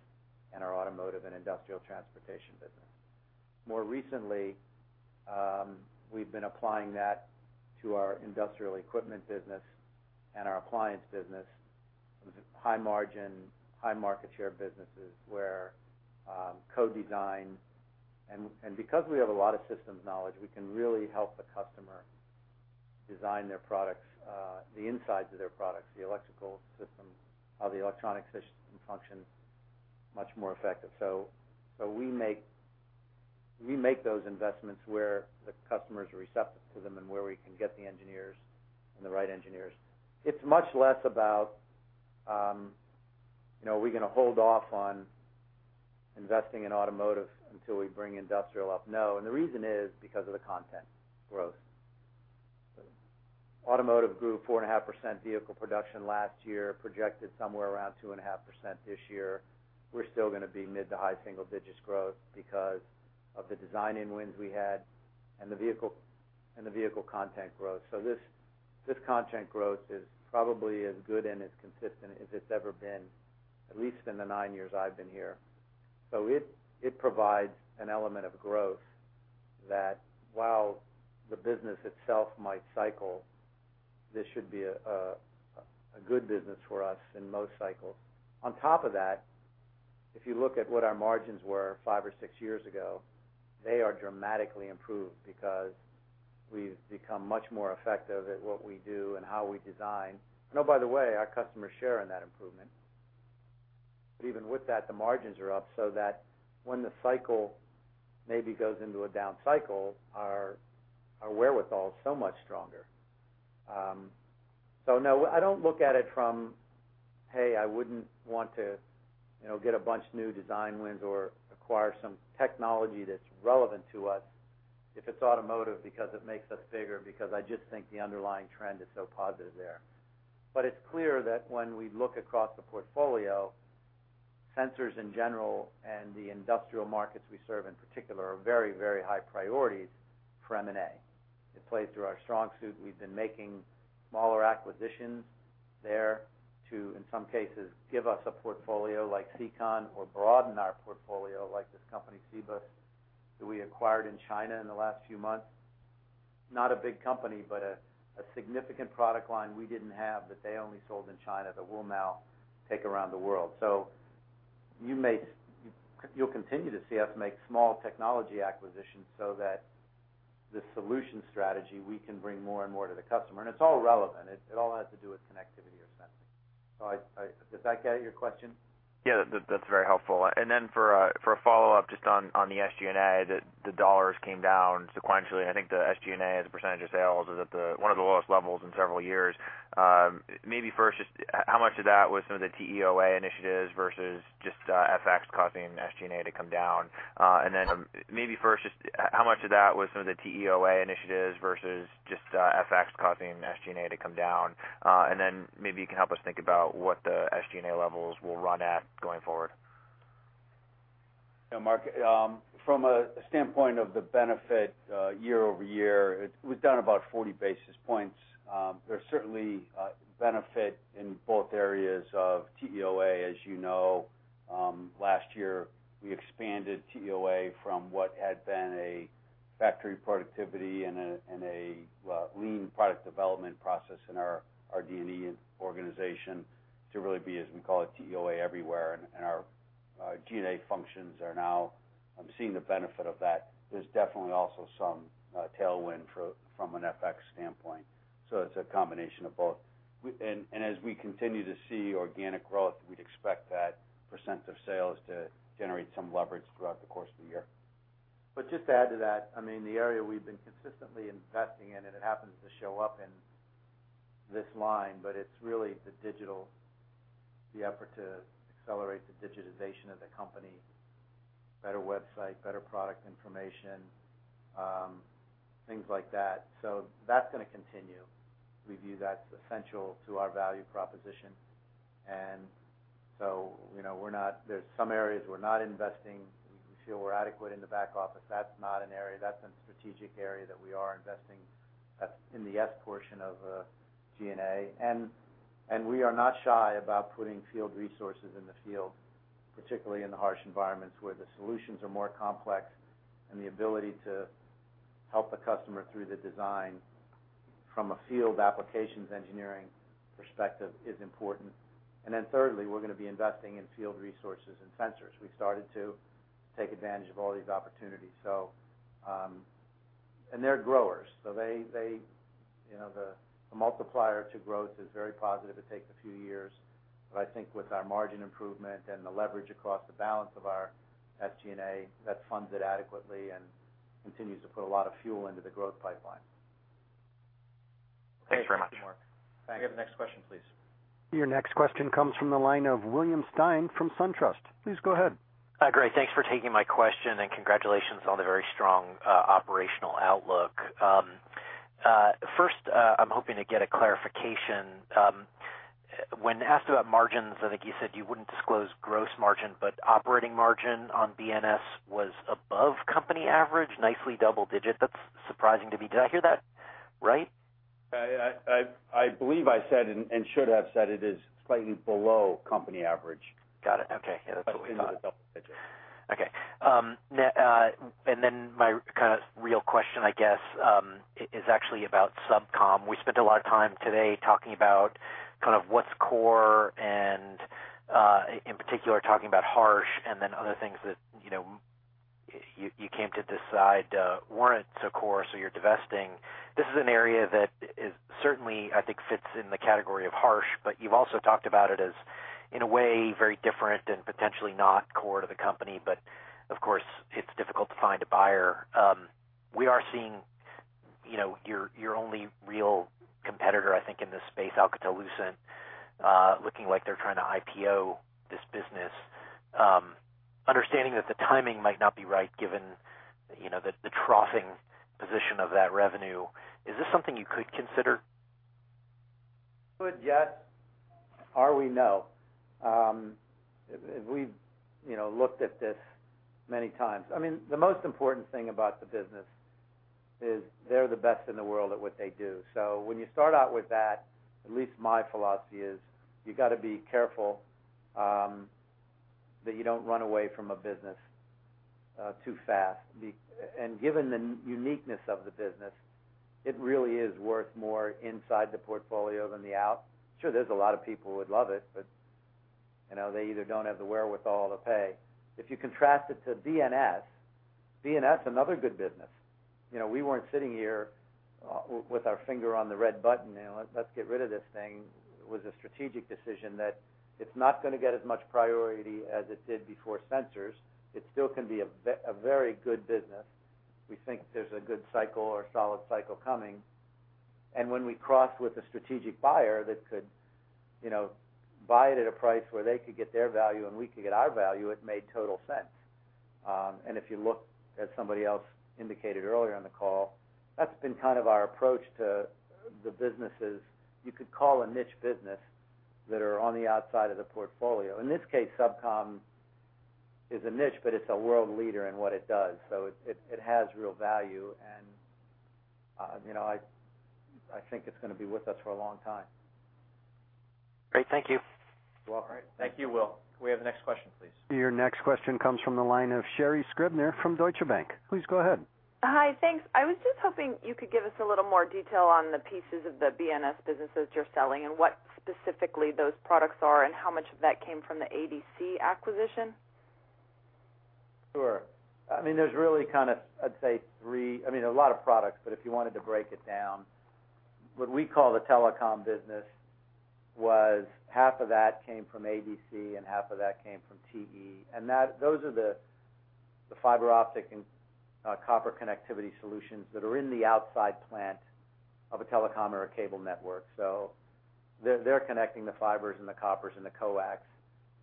and our Automotive and Industrial Transportation business. More recently, we've been applying that to our Industrial Equipment business and our Appliance business, high margin, high market share businesses where co-design. Because we have a lot of systems knowledge, we can really help the customer design their products, the insides of their products, the electrical system, how the electronic system functions, much more effective. So we make those investments where the customer is receptive to them and where we can get the engineers and the right engineers. It's much less about, "Are we going to hold off on investing in automotive until we bring industrial up?" No. The reason is because of the content growth. Automotive grew 4.5% vehicle production last year, projected somewhere around 2.5% this year. We're still going to be mid to high single-digit growth because of the design winnings we had and the vehicle content growth. So this content growth is probably as good and as consistent as it's ever been, at least in the 9 years I've been here. So it provides an element of growth that while the business itself might cycle, this should be a good business for us in most cycles. On top of that, if you look at what our margins were 5 or 6 years ago, they are dramatically improved because we've become much more effective at what we do and how we design. And oh, by the way, our customers share in that improvement. But even with that, the margins are up so that when the cycle maybe goes into a down cycle, our wherewithal is so much stronger. So no, I don't look at it from, "Hey, I wouldn't want to get a bunch of new design wins or acquire some technology that's relevant to us if it's automotive because it makes us bigger," because I just think the underlying trend is so positive there. But it's clear that when we look across the portfolio, Sensors in general and the Industrial markets we serve in particular are very, very high priorities for M&A. It plays to our strong suit. We've been making smaller acquisitions there to, in some cases, give us a portfolio like SEACON or broaden our portfolio like this company, Sibas, that we acquired in China in the last few months. Not a big company, but a significant product line we didn't have that they only sold in China that we'll now take around the world. So you'll continue to see us make small technology acquisitions so that the solution strategy, we can bring more and more to the customer. And it's all relevant. It all has to do with connectivity or sensing. So did I get your question? Yeah. That's very helpful. And then for a follow-up, just on the SG&A, the dollars came down sequentially. I think the SG&A as a percentage of sales is at one of the lowest levels in several years. Maybe first, just how much of that was some of the TEOA initiatives versus just FX causing SG&A to come down? And then maybe first, just how much of that was some of the TEOA initiatives versus just FX causing SG&A to come down? And then maybe you can help us think about what the SG&A levels will run at going forward. Yeah. Mark, from a standpoint of the benefit year-over-year, it was down about 40 basis points. There's certainly benefit in both areas of TEOA. As you know, last year, we expanded TEOA from what had been a factory productivity and a lean product development process in our D&E organization to really be, as we call it, TEOA everywhere. And our G&A functions are now, I'm seeing the benefit of that. There's definitely also some tailwind from an FX standpoint. So it's a combination of both. And as we continue to see organic growth, we'd expect that percent of sales to generate some leverage throughout the course of the year. But just to add to that, I mean, the area we've been consistently investing in, and it happens to show up in this line, but it's really the digital, the effort to accelerate the digitization of the company, better website, better product information, things like that. So that's going to continue. We view that's essential to our value proposition. And so there's some areas we're not investing. We feel we're adequate in the back office. That's not an area. That's a strategic area that we are investing. That's in the S portion of G&A. And we are not shy about putting field resources in the field, particularly in the harsh environments where the solutions are more complex. And the ability to help the customer through the design from a field applications engineering perspective is important. And then thirdly, we're going to be investing in field resources and sensors. We started to take advantage of all these opportunities. And they're growers. So the multiplier to growth is very positive. It takes a few years. But I think with our margin improvement and the leverage across the balance of our SG&A, that funds it adequately and continues to put a lot of fuel into the growth pipeline. Thanks very much, Mark. Thank you. You have the next question, please. Your next question comes from the line of William Stein from SunTrust. Please go ahead. Hi, Craig. Thanks for taking my question. Congratulations on the very strong operational outlook. First, I'm hoping to get a clarification. When asked about margins, I think you said you wouldn't disclose gross margin, but operating margin on BNS was above company average, nicely double-digit. That's surprising to me. Did I hear that right? I believe I said and should have said it is slightly below company average. Got it. Okay. Yeah. That's what we thought. But it's not a double digit. Okay. And then my kind of real question, I guess, is actually about SubCom. We spent a lot of time today talking about kind of what's core and, in particular, talking about harsh and then other things that you came to decide weren't so core so you're divesting. This is an area that certainly, I think, fits in the category of harsh, but you've also talked about it as, in a way, very different and potentially not core to the company. But of course, it's difficult to find a buyer. We are seeing your only real competitor, I think, in this space, Alcatel-Lucent, looking like they're trying to IPO this business. Understanding that the timing might not be right given the troughing position of that revenue, is this something you could consider? Good. Yes. Or we know. We've looked at this many times. I mean, the most important thing about the business is they're the best in the world at what they do. So when you start out with that, at least my philosophy is you've got to be careful that you don't run away from a business too fast. And given the uniqueness of the business, it really is worth more inside the portfolio than out. Sure, there's a lot of people who would love it, but they either don't have the wherewithal to pay. If you contrast it to BNS, BNS is another good business. We weren't sitting here with our finger on the red button, "Let's get rid of this thing." It was a strategic decision that it's not going to get as much priority as it did before Sensors. It still can be a very good business. We think there's a good cycle or solid cycle coming. When we cross with a strategic buyer that could buy it at a price where they could get their value and we could get our value, it made total sense. If you look at somebody else indicated earlier on the call, that's been kind of our approach to the businesses. You could call a niche business that are on the outside of the portfolio. In this case, SubCom is a niche, but it's a world leader in what it does. So it has real value. I think it's going to be with us for a long time. Great. Thank you. You're welcome. Thank you, Will. We have the next question, please. Your next question comes from the line of Sherri Scribner from Deutsche Bank. Please go ahead. Hi. Thanks. I was just hoping you could give us a little more detail on the pieces of the BNS businesses you're selling and what specifically those products are and how much of that came from the ADC acquisition. Sure. I mean, there's really kind of, I'd say, three, I mean, a lot of products, but if you wanted to break it down, what we call the Telecom business was half of that came from ADC and half of that came from TE. And those are the fiber optic and copper connectivity solutions that are in the outside plant of a telecom or a cable network. So they're connecting the fibers and the coppers and the coax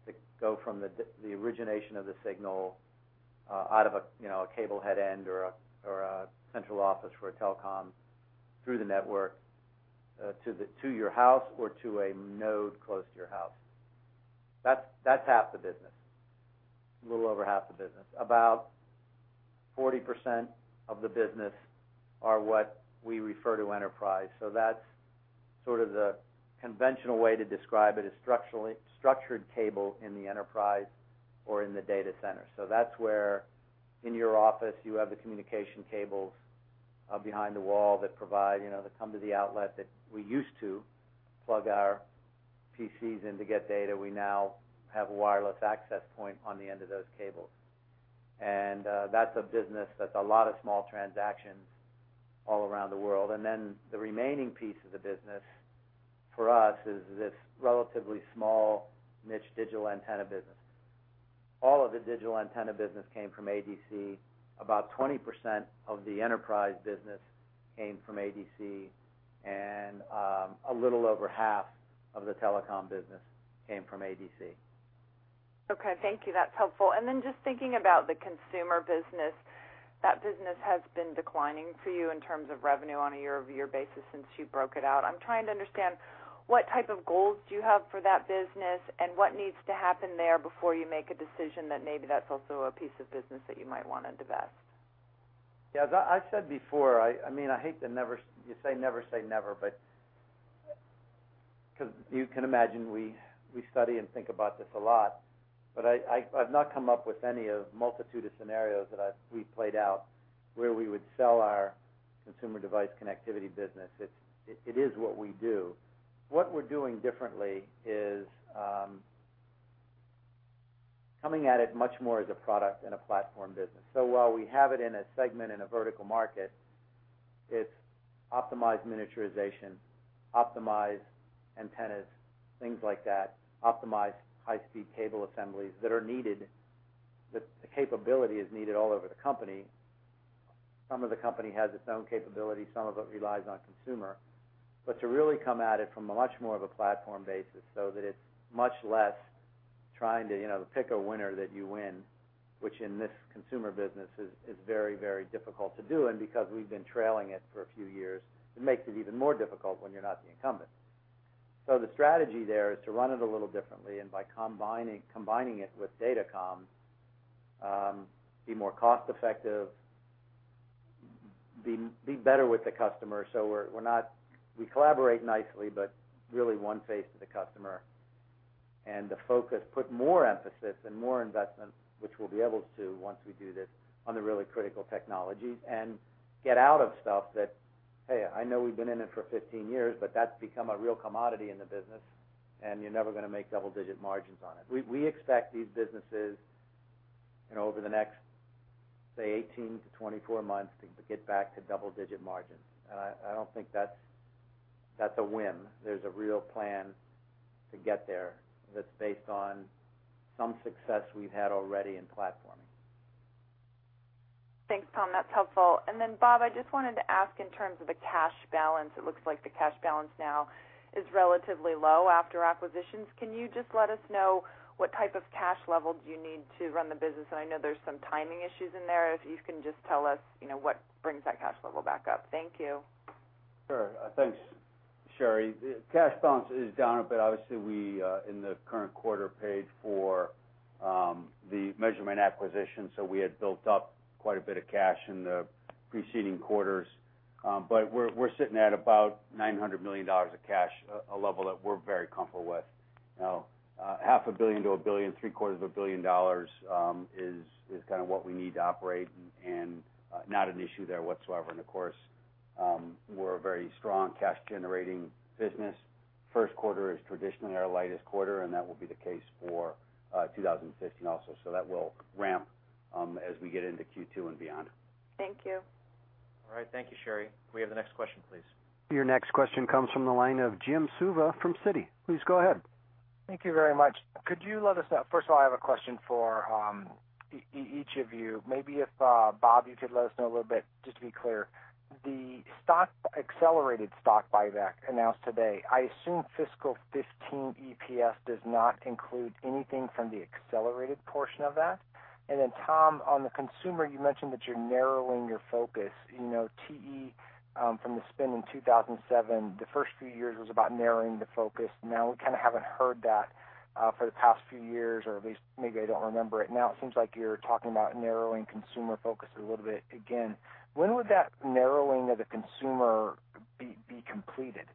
to go from the origination of the signal out of a cable head end or a central office for a telecom through the network to your house or to a node close to your house. That's half the business, a little over half the business. About 40% of the business are what we refer to enterprise. So that's sort of the conventional way to describe it as structured cable in the enterprise or in the data center. So that's where, in your office, you have the communication cables behind the wall that come to the outlet that we used to plug our PCs in to get data. We now have a wireless access point on the end of those cables. And that's a business that's a lot of small transactions all around the world. And then the remaining piece of the business for us is this relatively small niche Digital Antenna business. All of the Digital Antenna business came from ADC. About 20% of the Enterprise business came from ADC, and a little over half of the Telecom business came from ADC. Okay. Thank you. That's helpful. And then just thinking about the Consumer business, that business has been declining for you in terms of revenue on a year-over-year basis since you broke it out. I'm trying to understand what type of goals do you have for that business and what needs to happen there before you make a decision that maybe that's also a piece of business that you might want to divest? Yeah. As I said before, I mean, I hate to never—you say never say never, but because you can imagine we study and think about this a lot. But I've not come up with any of the multitude of scenarios that we've played out where we would sell our Consumer Device Connectivity business. It is what we do. What we're doing differently is coming at it much more as a product and a platform business. So while we have it in a segment in a vertical market, it's optimized miniaturization, optimized antennas, things like that, optimized high-speed cable assemblies that are needed, that the capability is needed all over the company. Some of the company has its own capability. Some of it relies on consumer. But to really come at it from much more of a platform basis so that it's much less trying to pick a winner that you win, which in this Consumer business is very, very difficult to do. And because we've been trailing it for a few years, it makes it even more difficult when you're not the incumbent. So the strategy there is to run it a little differently and by combining it with DataCom, be more cost-effective, be better with the customer. So we collaborate nicely, but really one face to the customer. And the focus, put more emphasis and more investment, which we'll be able to once we do this, on the really critical technologies and get out of stuff that, "Hey, I know we've been in it for 15 years, but that's become a real commodity in the business, and you're never going to make double-digit margins on it." We expect these businesses over the next, say, 18-24 months to get back to double-digit margins. And I don't think that's a whim. There's a real plan to get there that's based on some success we've had already in platforming. Thanks, Tom. That's helpful. And then, Bob, I just wanted to ask in terms of the cash balance. It looks like the cash balance now is relatively low after acquisitions. Can you just let us know what type of cash level do you need to run the business? And I know there's some timing issues in there. If you can just tell us what brings that cash level back up? Thank you. Sure. Thanks, Sherri. Cash balance is down a bit. Obviously, we, in the current quarter, paid for the Measurement acquisition. So we had built up quite a bit of cash in the preceding quarters. But we're sitting at about $900 million of cash, a level that we're very comfortable with. Now, $500 million-$1 billion, $750 million is kind of what we need to operate and not an issue there whatsoever. And of course, we're a very strong cash-generating business. First quarter is traditionally our lightest quarter, and that will be the case for 2015 also. So that will ramp as we get into Q2 and beyond. Thank you. All right. Thank you, Sherri. We have the next question, please. Your next question comes from the line of Jim Suva from Citi. Please go ahead. Thank you very much. Could you let us know? First of all, I have a question for each of you. Maybe if Bob, you could let us know a little bit just to be clear. The accelerated stock buyback announced today, I assume fiscal 2015 EPS does not include anything from the accelerated portion of that. And then, Tom, on the consumer, you mentioned that you're narrowing your focus. TE from the spin in 2007, the first few years was about narrowing the focus. Now, we kind of haven't heard that for the past few years, or at least maybe I don't remember it. Now, it seems like you're talking about narrowing consumer focus a little bit again. When would that narrowing of the consumer be completed?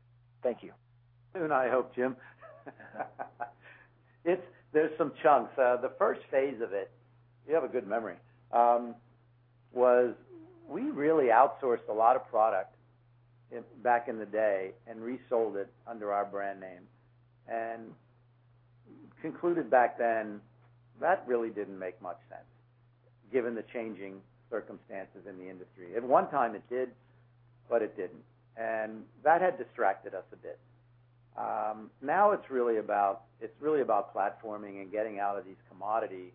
Thank you. Soon I hope, Jim. There's some chunks. The first phase of it, you have a good memory, was we really outsourced a lot of product back in the day and resold it under our brand name. Concluded back then, that really didn't make much sense given the changing circumstances in the industry. At one time, it did, but it didn't. That had distracted us a bit. Now, it's really about platforming and getting out of these commodity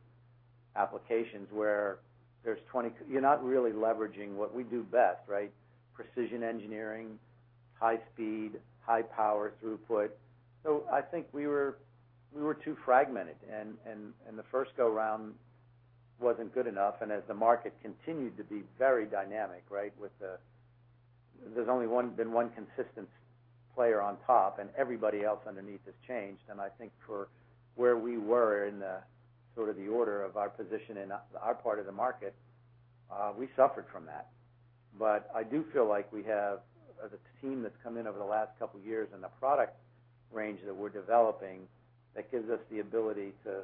applications where there's 20 you're not really leveraging what we do best, right? Precision engineering, high-speed, high-power throughput. So I think we were too fragmented. The first go-round wasn't good enough. As the market continued to be very dynamic, right, with the, there's only been one consistent player on top, and everybody else underneath has changed. And I think for where we were in sort of the order of our position in our part of the market, we suffered from that. But I do feel like we have the team that's come in over the last couple of years and the product range that we're developing that gives us the ability to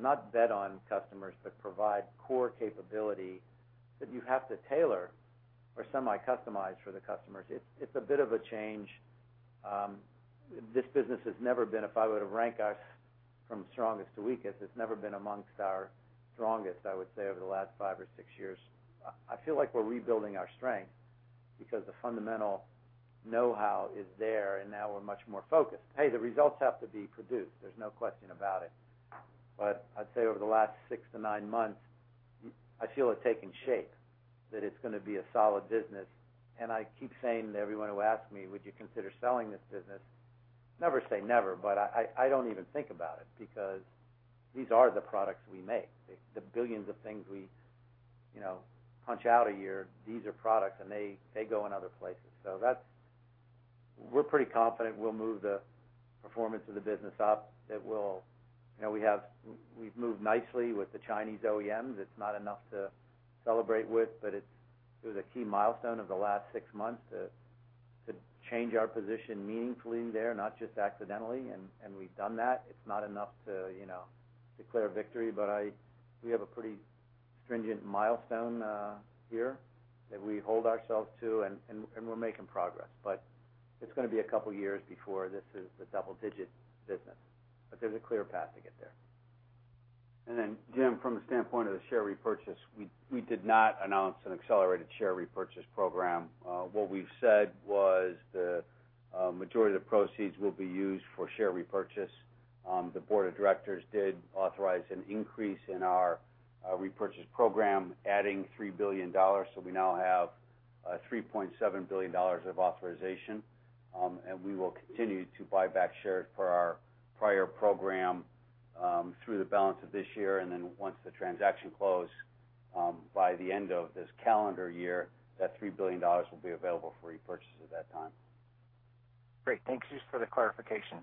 not bet on customers, but provide core capability that you have to tailor or semi-customize for the customers. It's a bit of a change. This business has never been, if I were to rank us from strongest to weakest, it's never been among our strongest, I would say, over the last five or six years. I feel like we're rebuilding our strength because the fundamental know-how is there, and now we're much more focused. Hey, the results have to be produced. There's no question about it. But I'd say over the last six to nine months, I feel it's taken shape that it's going to be a solid business. And I keep saying to everyone who asks me, "Would you consider selling this business?" Never say never, but I don't even think about it because these are the products we make. The billions of things we punch out a year, these are products, and they go in other places. So we're pretty confident we'll move the performance of the business up. We've moved nicely with the Chinese OEMs. It's not enough to celebrate with, but it was a key milestone of the last six months to change our position meaningfully there, not just accidentally. And we've done that. It's not enough to declare victory, but we have a pretty stringent milestone here that we hold ourselves to, and we're making progress. But it's going to be a couple of years before this is the double-digit business. But there's a clear path to get there. And then, Jim, from the standpoint of the share repurchase, we did not announce an accelerated share repurchase program. What we've said was the majority of the proceeds will be used for share repurchase. The board of directors did authorize an increase in our repurchase program, adding $3 billion. So we now have $3.7 billion of authorization. And we will continue to buy back shares for our prior program through the balance of this year. And then once the transaction closes by the end of this calendar year, that $3 billion will be available for repurchase at that time. Great. Thanks for the clarification.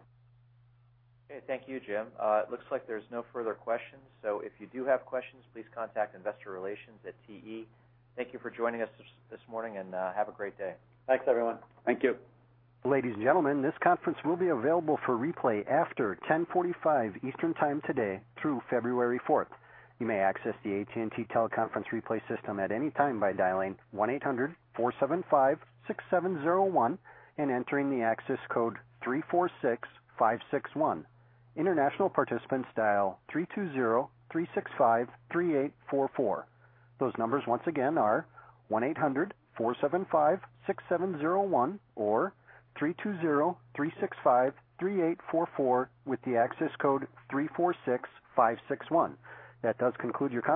Okay. Thank you, Jim. It looks like there's no further questions. So if you do have questions, please contact investor relations at TE. Thank you for joining us this morning, and have a great day. Thanks, everyone. Thank you. Ladies and gentlemen, this conference will be available for replay after 10:45 Eastern Time today through February 4th. You may access the AT&T teleconference replay system at any time by dialing 1-800-475-6701 and entering the access code 346561. International participants dial 320-365-3844. Those numbers, once again, are 1-800-475-6701 or 320-365-3844 with the access code 346561. That does conclude your call.